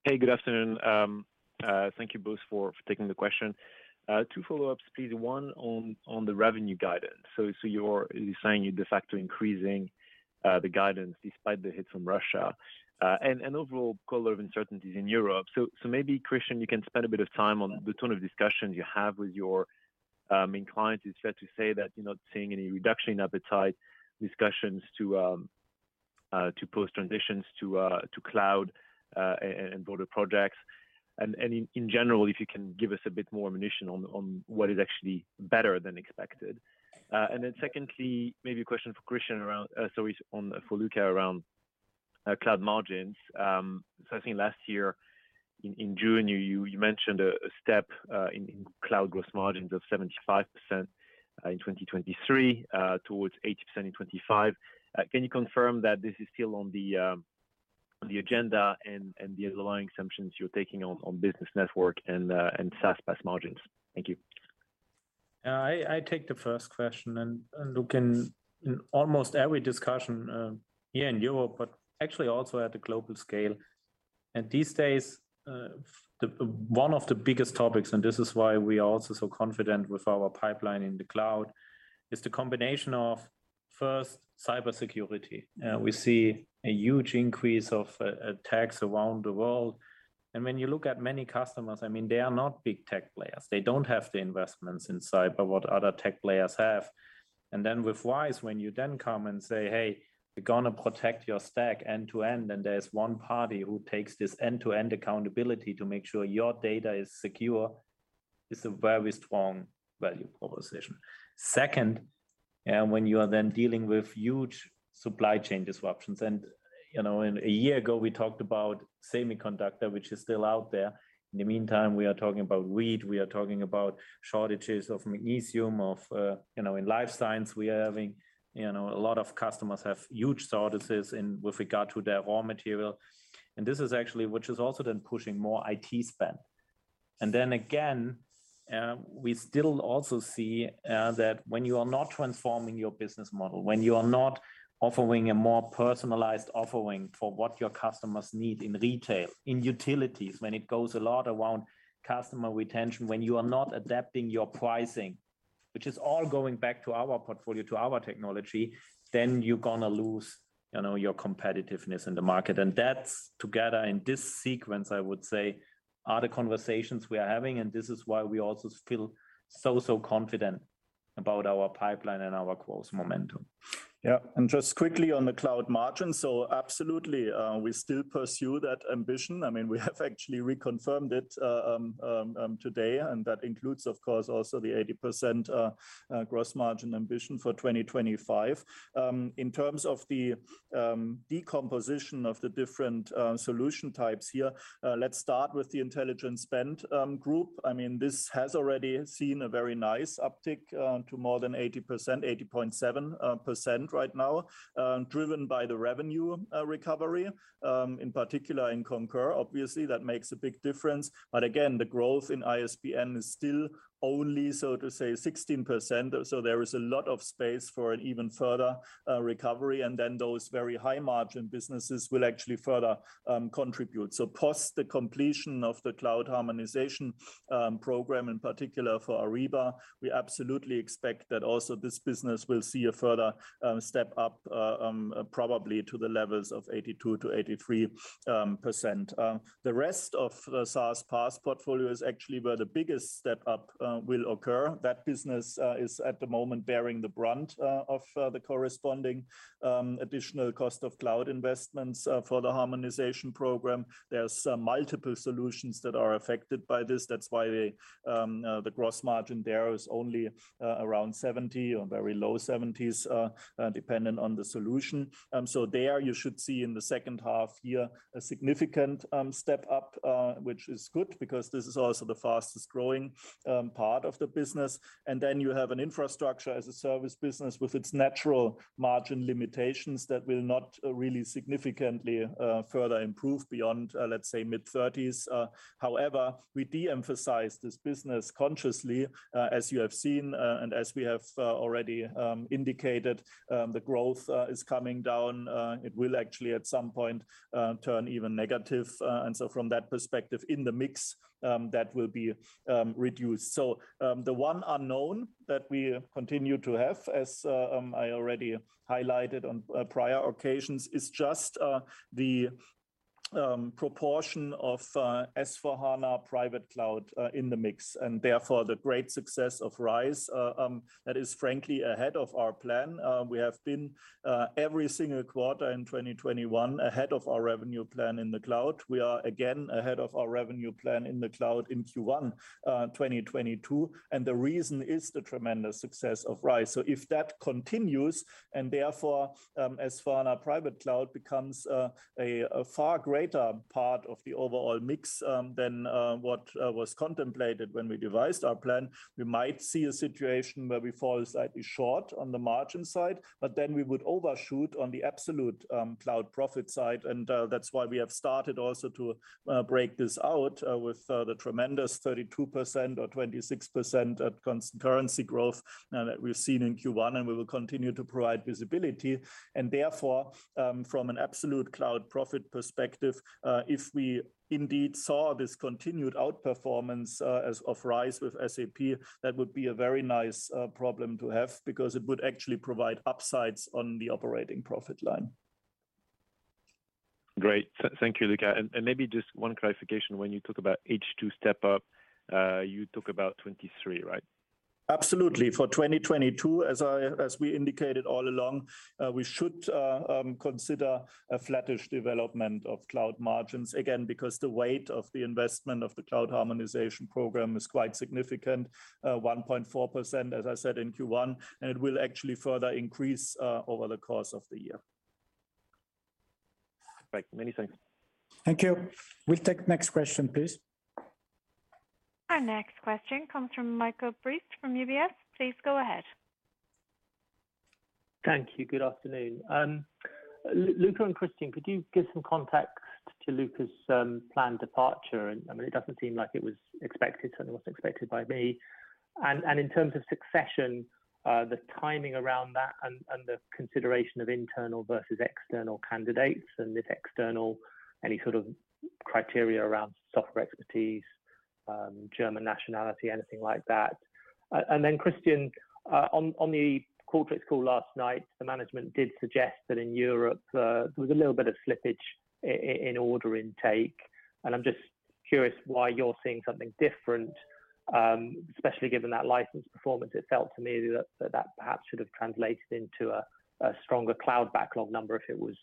Hey, good afternoon. Thank you both for taking the question. Two follow-ups, please. One on the revenue guidance. You're saying you're de facto increasing the guidance despite the hits from Russia and overall color of uncertainties in Europe. Maybe Christian, you can spend a bit of time on the ton of discussions you have with your main clients. Is it fair to say that you're not seeing any reduction in appetite, discussions to postpone transitions to cloud and broader projects? In general, if you can give us a bit more ammunition on what is actually better than expected. Then secondly, maybe a question for Luka around cloud margins. I think last year in June, you mentioned a step in cloud gross margins of 75% in 2023 towards 80% in 2025. Can you confirm that this is still on the agenda and the underlying assumptions you're taking on Business Network and SaaS/PaaS margins? Thank you. I take the first question and look in almost every discussion here in Europe, but actually also at the global scale. These days, one of the biggest topics, and this is why we are also so confident with our pipeline in the cloud, is the combination of, first, cybersecurity. We see a huge increase of attacks around the world. When you look at many customers, I mean, they are not big tech players. They don't have the investments in cybersecurity that other tech players have. Then with RISE, when you then come and say, "Hey, we're gonna protect your stack end-to-end," and there's one party who takes this end-to-end accountability to make sure your data is secure, it's a very strong value proposition. Second, when you are then dealing with huge supply chain disruptions, and, you know, a year ago we talked about semiconductor, which is still out there. In the meantime, we are talking about wheat, we are talking about shortages of magnesium, of, you know, in life science, we are having, you know, a lot of customers have huge shortages in with regard to their raw material. This is actually which is also then pushing more IT spend. Then again, we still also see that when you are not transforming your business model, when you are not offering a more personalized offering for what your customers need in retail, in utilities, when it goes a lot around customer retention, when you are not adapting your pricing, which is all going back to our portfolio, to our technology, then you're gonna lose, you know, your competitiveness in the market. That's together in this sequence, I would say, are the conversations we are having, and this is why we also feel so confident about our pipeline and our growth momentum. Yeah. Just quickly on the cloud margin. Absolutely, we still pursue that ambition. I mean, we have actually reconfirmed it today, and that includes, of course, also the 80% gross margin ambition for 2025. In terms of the decomposition of the different solution types here, let's start with the Intelligent Spend group. I mean, this has already seen a very nice uptick to more than 80%, 80.7% right now, driven by the revenue recovery in particular in Concur. Obviously, that makes a big difference. Again, the growth in ISP&N is still only, so to say, 16%. There is a lot of space for an even further recovery. Then those very high margin businesses will actually further contribute. Post the completion of the cloud harmonization program, in particular for Ariba, we absolutely expect that also this business will see a further step-up, probably to the levels of 82%-83%. The rest of the SaaS/PaaS portfolio is actually where the biggest step-up will occur. That business is at the moment bearing the brunt of the corresponding additional cost of cloud investments for the harmonization program. There's multiple solutions that are affected by this. That's why the gross margin there is only around 70% or very low 70s%, dependent on the solution. There you should see in the second half year a significant step-up, which is good because this is also the fastest growing part of the business. You have an infrastructure as a service business with its natural margin limitations that will not really significantly further improve beyond let's say mid-30s%. However, we de-emphasize this business consciously. As you have seen, and as we have already indicated, the growth is coming down. It will actually at some point turn even negative. From that perspective in the mix, that will be reduced. The one unknown that we continue to have, as I already highlighted on prior occasions, is just the proportion of S/4HANA private cloud in the mix, and therefore the great success of RISE that is frankly ahead of our plan. We have been every single quarter in 2021 ahead of our revenue plan in the cloud. We are again ahead of our revenue plan in the cloud in Q1 2022, and the reason is the tremendous success of RISE. If that continues, and therefore, S/4HANA Private Cloud becomes a far greater part of the overall mix than what was contemplated when we devised our plan, we might see a situation where we fall slightly short on the margin side, but then we would overshoot on the absolute cloud profit side. That's why we have started also to break this out with the tremendous 32% or 26% at constant currency growth now that we've seen in Q1, and we will continue to provide visibility. Therefore, from an absolute cloud profit perspective, if we indeed saw this continued outperformance, as of RISE with SAP, that would be a very nice problem to have because it would actually provide upsides on the operating profit line. Great. Thank you, Luka. Maybe just one clarification. When you talk about H2 step-up, you talk about 2023, right? Absolutely. For 2022, as we indicated all along, we should consider a flattish development of cloud margins, again, because the weight of the investment of the cloud harmonization program is quite significant, 1.4%, as I said, in Q1, and it will actually further increase over the course of the year. Great. Many thanks. Thank you. We'll take next question, please. Our next question comes from Michael Briest from UBS. Please go ahead. Thank you. Good afternoon. Luka and Christian, could you give some context to Luka's planned departure? I mean, it doesn't seem like it was expected. Certainly wasn't expected by me. In terms of succession, the timing around that and the consideration of internal versus external candidates and if external, any sort of criteria around software expertise, German nationality, anything like that. Then Christian, on the Qualtrics call last night, the management did suggest that in Europe, there was a little bit of slippage in order intake. I'm just curious why you're seeing something different, especially given that license performance. It felt to me that perhaps should have translated into a stronger cloud backlog number if it was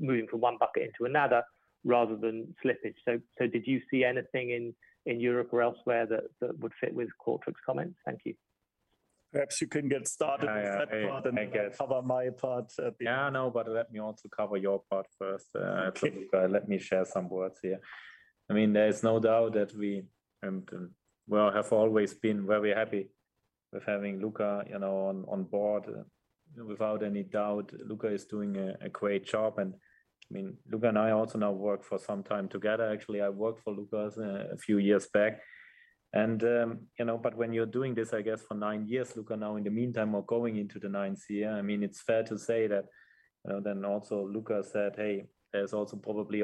moving from one bucket into another rather than slippage. Did you see anything in Europe or elsewhere that would fit with Qualtrics comments? Thank you. Perhaps you can get started with that part. I get- I cover my part at the end. Yeah, I know, but let me also cover your part first. Okay. Luka, let me share some words here. I mean, there is no doubt that we, well, have always been very happy with having Luka, you know, on board, without any doubt, Luka is doing a great job. I mean, Luka and I also now work for some time together. Actually, I worked for Luka a few years back. You know, but when you're doing this, I guess, for nine years, Luka now in the meantime are going into the ninth year. I mean, it's fair to say that, then also Luka said, "Hey, there's also probably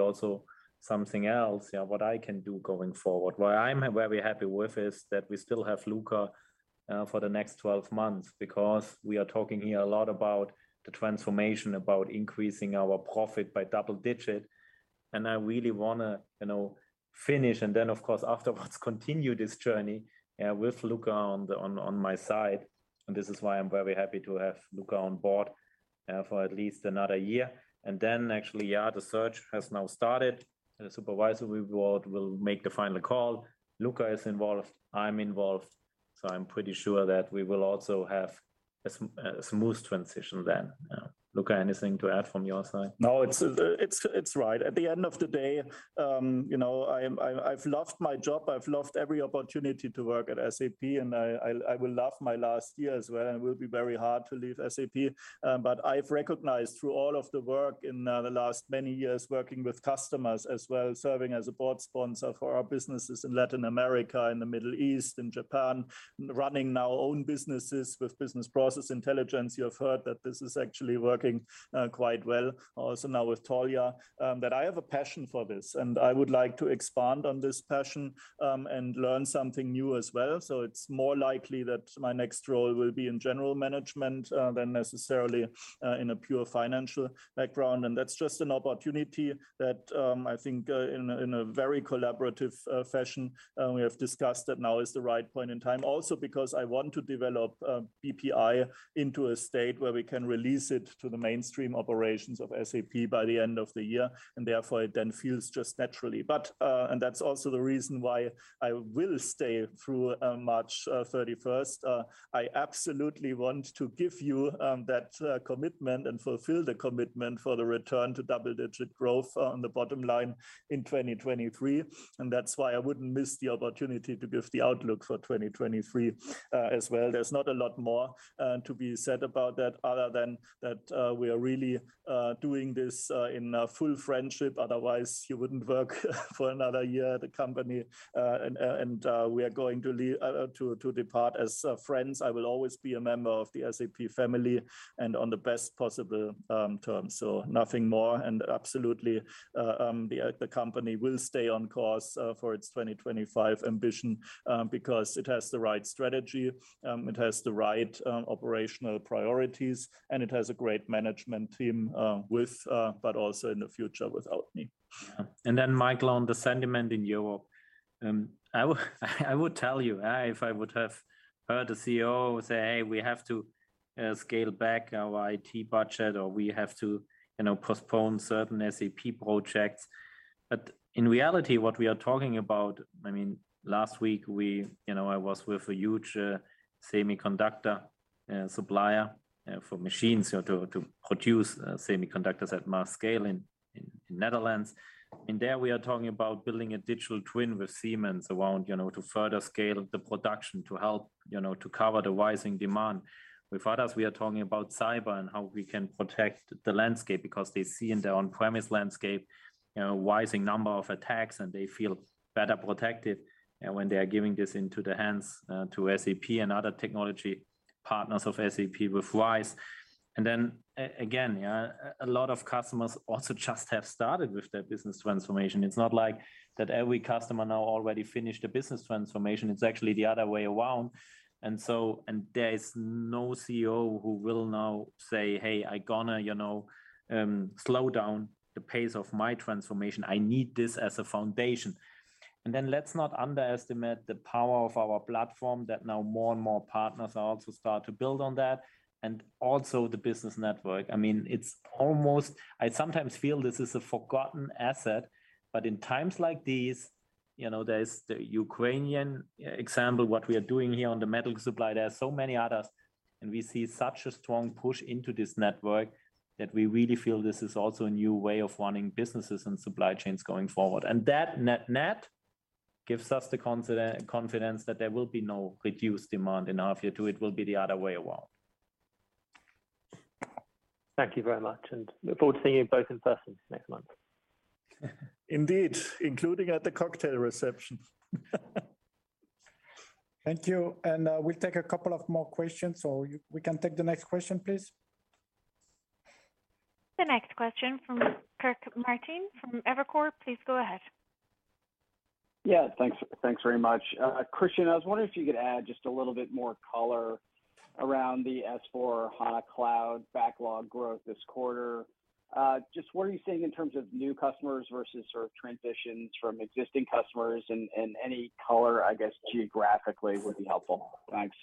something else, you know, what I can do going forward." What I'm very happy with is that we still have Luka for the next 12 months because we are talking here a lot about the transformation, about increasing our profit by double-digit. I really wanna, you know, finish and then of course afterwards continue this journey with Luka on my side. This is why I'm very happy to have Luka on board for at least another year. Then actually, yeah, the search has now started. The supervisory board will make the final call. Luka is involved. I'm involved. So I'm pretty sure that we will also have a smooth transition then. Luka, anything to add from your side? No, it's right. At the end of the day, you know, I've loved my job. I've loved every opportunity to work at SAP, and I will love my last year as well, and it will be very hard to leave SAP. I've recognized through all of the work in the last many years working with customers as well, serving as a board sponsor for our businesses in Latin America, in the Middle East, in Japan, running my own businesses with Business Process Intelligence. You have heard that this is actually working quite well also now with Taulia, that I have a passion for this, and I would like to expand on this passion, and learn something new as well. It's more likely that my next role will be in general management than necessarily in a pure financial background. That's just an opportunity that I think in a very collaborative fashion we have discussed that now is the right point in time. Also because I want to develop BPI into a state where we can release it to the mainstream operations of SAP by the end of the year, and therefore it then feels just natural. That's also the reason why I will stay through March 31st. I absolutely want to give you that commitment and fulfill the commitment for the return to double-digit growth on the bottom line in 2023. That's why I wouldn't miss the opportunity to give the outlook for 2023 as well. There's not a lot more to be said about that other than that we are really doing this in full friendship. Otherwise, you wouldn't work for another year at the company. We are going to depart as friends. I will always be a member of the SAP family and on the best possible terms. So nothing more. Absolutely, the company will stay on course for its 2025 ambition because it has the right strategy, it has the right operational priorities, and it has a great management team with, but also in the future without me. Then Michael, on the sentiment in Europe, I would tell you if I would have heard a CEO say, "Hey, we have to scale back our IT budget," or, "We have to, you know, postpone certain SAP projects." In reality, what we are talking about I mean, last week, we, you know, I was with a huge semiconductor supplier for machines, you know, to produce semiconductors at mass scale in Netherlands. There, we are talking about building a digital twin with Siemens around, you know, to further scale the production to help, you know, to cover the rising demand. With others, we are talking about cyber and how we can protect the landscape because they see in their on-premise landscape, you know, rising number of attacks, and they feel better protected when they are giving this into the hands to SAP and other technology partners of SAP with RISE. Yeah, a lot of customers also just have started with their business transformation. It's not like that every customer now already finished a business transformation. It's actually the other way around. There is no CEO who will now say, "Hey, I gonna, you know, slow down the pace of my transformation. I need this as a foundation." Let's not underestimate the power of our platform that now more and more partners are also start to build on that, and also the Business Network. I mean, it's almost. I sometimes feel this is a forgotten asset, but in times like these, you know, there's the Ukrainian example, what we are doing here on the metal supply. There are so many others, and we see such a strong push into this network that we really feel this is also a new way of running businesses and supply chains going forward. That net-net gives us the confidence that there will be no reduced demand in our view to it will be the other way around. Thank you very much, and I look forward to seeing you both in person next month. Indeed, including at the cocktail reception. Thank you. We'll take a couple of more questions. We can take the next question, please. The next question from Kirk Materne from Evercore. Please go ahead. Yeah. Thanks very much. Christian, I was wondering if you could add just a little bit more color around the S/4HANA Cloud backlog growth this quarter. Just what are you seeing in terms of new customers versus sort of transitions from existing customers? Any color, I guess, geographically would be helpful. Thanks.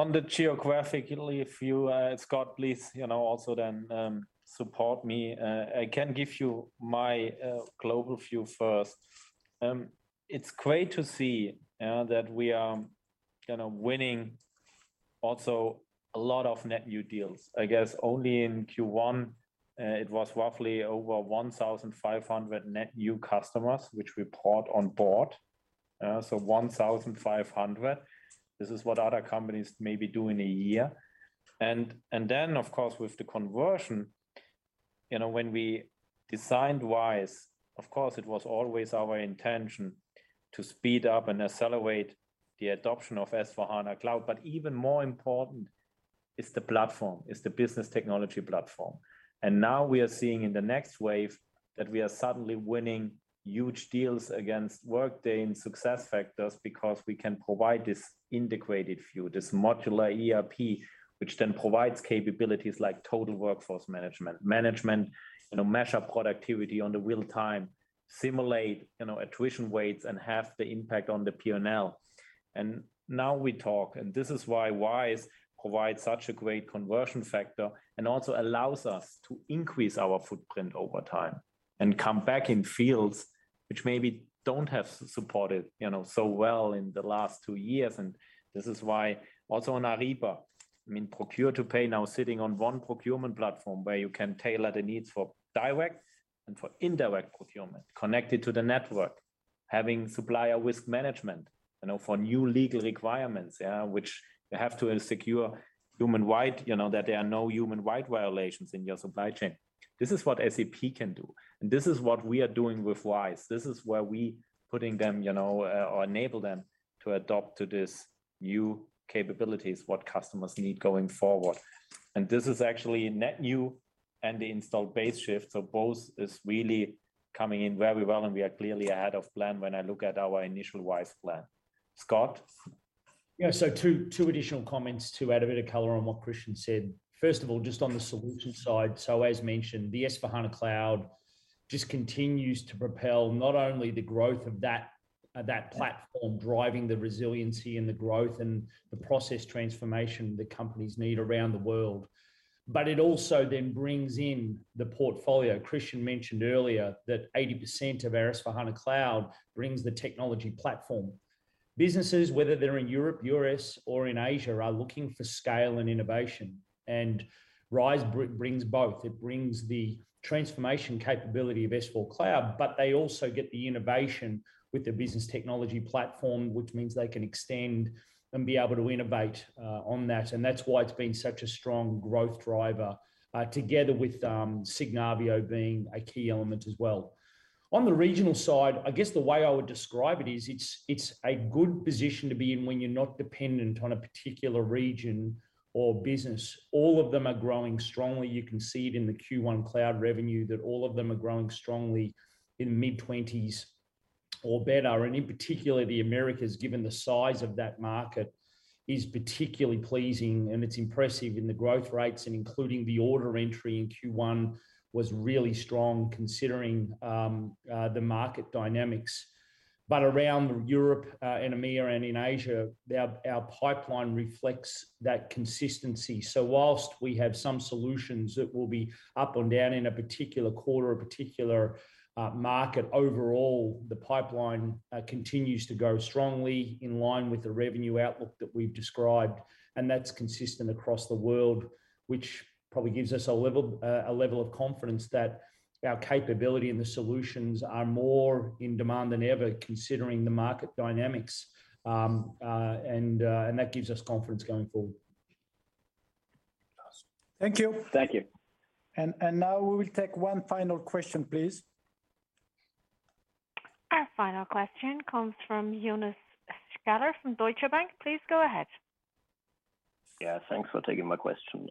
On the geographic view, Scott, please, you know, also then support me. I can give you my global view first. It's great to see that we are, you know, winning. Also a lot of net new deals. I guess only in Q1 it was roughly over 1,500 net new customers which we brought on board. So 1,500. This is what other companies maybe do in a year. Then, of course, with the conversion, you know, when we designed RISE, of course it was always our intention to speed up and accelerate the adoption of S/4HANA Cloud. But even more important is the platform, is the Business Technology Platform. Now we are seeing in the next wave that we are suddenly winning huge deals against Workday and SuccessFactors because we can provide this integrated view, this modular ERP, which then provides capabilities like total workforce management, you know, measure productivity in real time, simulate, you know, attrition rates and have the impact on the P&L. Now we talk, and this is why RISE provides such a great conversion factor and also allows us to increase our footprint over time and come back in fields which maybe haven't supported, you know, so well in the last two years. This is why also on Ariba, I mean, procure to pay now sitting on one procurement platform where you can tailor the needs for direct and for indirect procurement, connected to the network, having supplier risk management, you know, for new legal requirements, which they have to secure human rights, you know, that there are no human rights violations in your supply chain. This is what SAP can do. This is what we are doing with RISE. This is where we putting them, you know, or enable them to adapt to these new capabilities, what customers need going forward. This is actually net new and the installed base shift. Both is really coming in very well, and we are clearly ahead of plan when I look at our initial RISE plan. Scott? Yeah. Two additional comments to add a bit of color on what Christian said. First of all, just on the solution side. As mentioned, the S/4HANA Cloud just continues to propel not only the growth of that platform, driving the resiliency and the growth and the process transformation that companies need around the world, but it also then brings in the portfolio. Christian mentioned earlier that 80% of our S/4HANA Cloud brings the Technology Platform. Businesses, whether they're in Europe, U.S., or in Asia, are looking for scale and innovation, and RISE brings both. It brings the transformation capability of S/4HANA Cloud, but they also get the innovation with the Business Technology Platform, which means they can extend and be able to innovate on that. That's why it's been such a strong growth driver, together with Signavio being a key element as well. On the regional side, I guess the way I would describe it is, it's a good position to be in when you're not dependent on a particular region or business. All of them are growing strongly. You can see it in the Q1 cloud revenue that all of them are growing strongly in mid-20s% or better. In particular, the Americas, given the size of that market, is particularly pleasing, and it's impressive in the growth rates, and including the order entry in Q1 was really strong considering the market dynamics. Around Europe, and EMEA and in Asia, our pipeline reflects that consistency. While we have some solutions that will be up or down in a particular quarter or particular market, overall, the pipeline continues to grow strongly in line with the revenue outlook that we've described, and that's consistent across the world, which probably gives us a level of confidence that our capability and the solutions are more in demand than ever, considering the market dynamics. That gives us confidence going forward. Thank you. Thank you. Now we will take one final question, please. Our final question comes from Johannes Schaller from Deutsche Bank. Please go ahead. Yeah. Thanks for taking my question.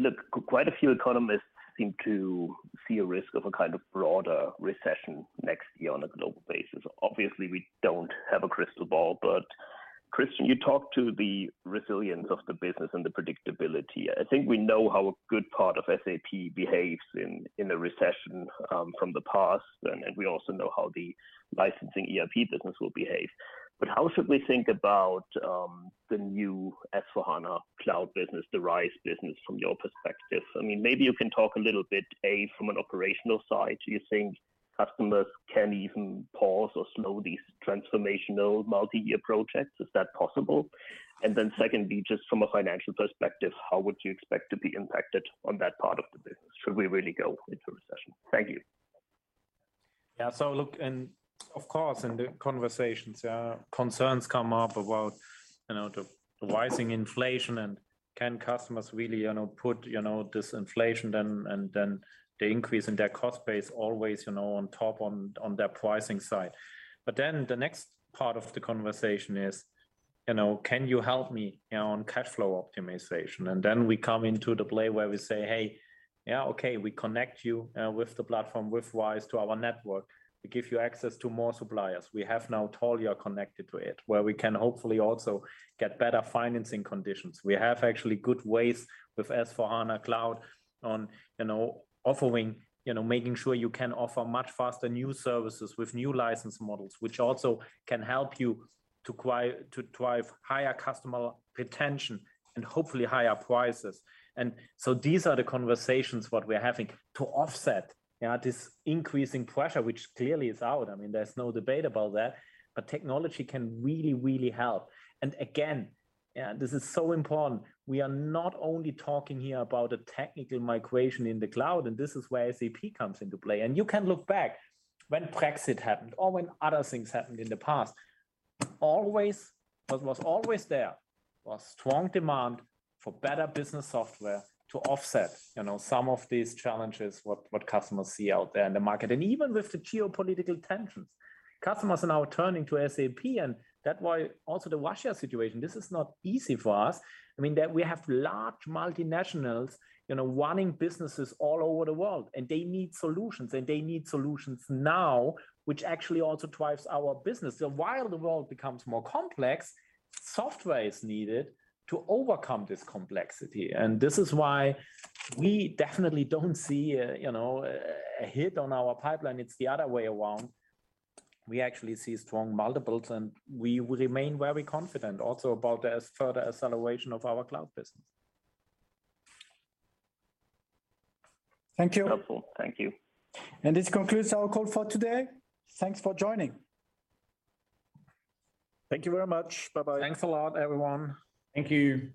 Look, quite a few economists seem to see a risk of a kind of broader recession next year on a global basis. Obviously, we don't have a crystal ball, but Christian, you talked to the resilience of the business and the predictability. I think we know how a good part of SAP behaves in a recession from the past. We also know how the licensing ERP business will behave. How should we think about the new S/4HANA Cloud business, the RISE business, from your perspective? I mean, maybe you can talk a little bit, A, from an operational side. Do you think customers can even pause or slow these transformational multi-year projects? Is that possible? Secondly, just from a financial perspective, how would you expect to be impacted on that part of the business should we really go into a recession? Thank you. Yeah. Look, of course, in the conversations, concerns come up about, you know, the rising inflation and can customers really, you know, put this inflation then, and the increase in their cost base always, you know, on top on their pricing side. The next part of the conversation is, you know, can you help me, you know, on cash flow optimization. We come into the play where we say, "Hey, yeah, okay. We connect you with the platform, with RISE to our network. We give you access to more suppliers. We have now Taulia connected to it, where we can hopefully also get better financing conditions. We have actually good ways with S/4HANA Cloud on, you know, offering, you know, making sure you can offer much faster new services with new license models, which also can help you to drive higher customer retention and hopefully higher prices. These are the conversations what we're having to offset, you know, this increasing pressure, which clearly is out. I mean, there's no debate about that. Technology can really, really help. Again, this is so important. We are not only talking here about a technical migration in the cloud, and this is where SAP comes into play. You can look back when Brexit happened or when other things happened in the past. Always, what was always there was strong demand for better business software to offset, you know, some of these challenges what customers see out there in the market. Even with the geopolitical tensions, customers are now turning to SAP, and that's why also the Russia situation, this is not easy for us. I mean, that we have large multinationals, you know, running businesses all over the world, and they need solutions, and they need solutions now, which actually also drives our business. While the world becomes more complex, software is needed to overcome this complexity. This is why we definitely don't see a, you know, a hit on our pipeline. It's the other way around. We actually see strong multiples, and we will remain very confident also about the further acceleration of our cloud business. Thank you. Helpful. Thank you. This concludes our call for today. Thanks for joining. Thank you very much. Bye-bye. Thanks a lot, everyone. Thank you.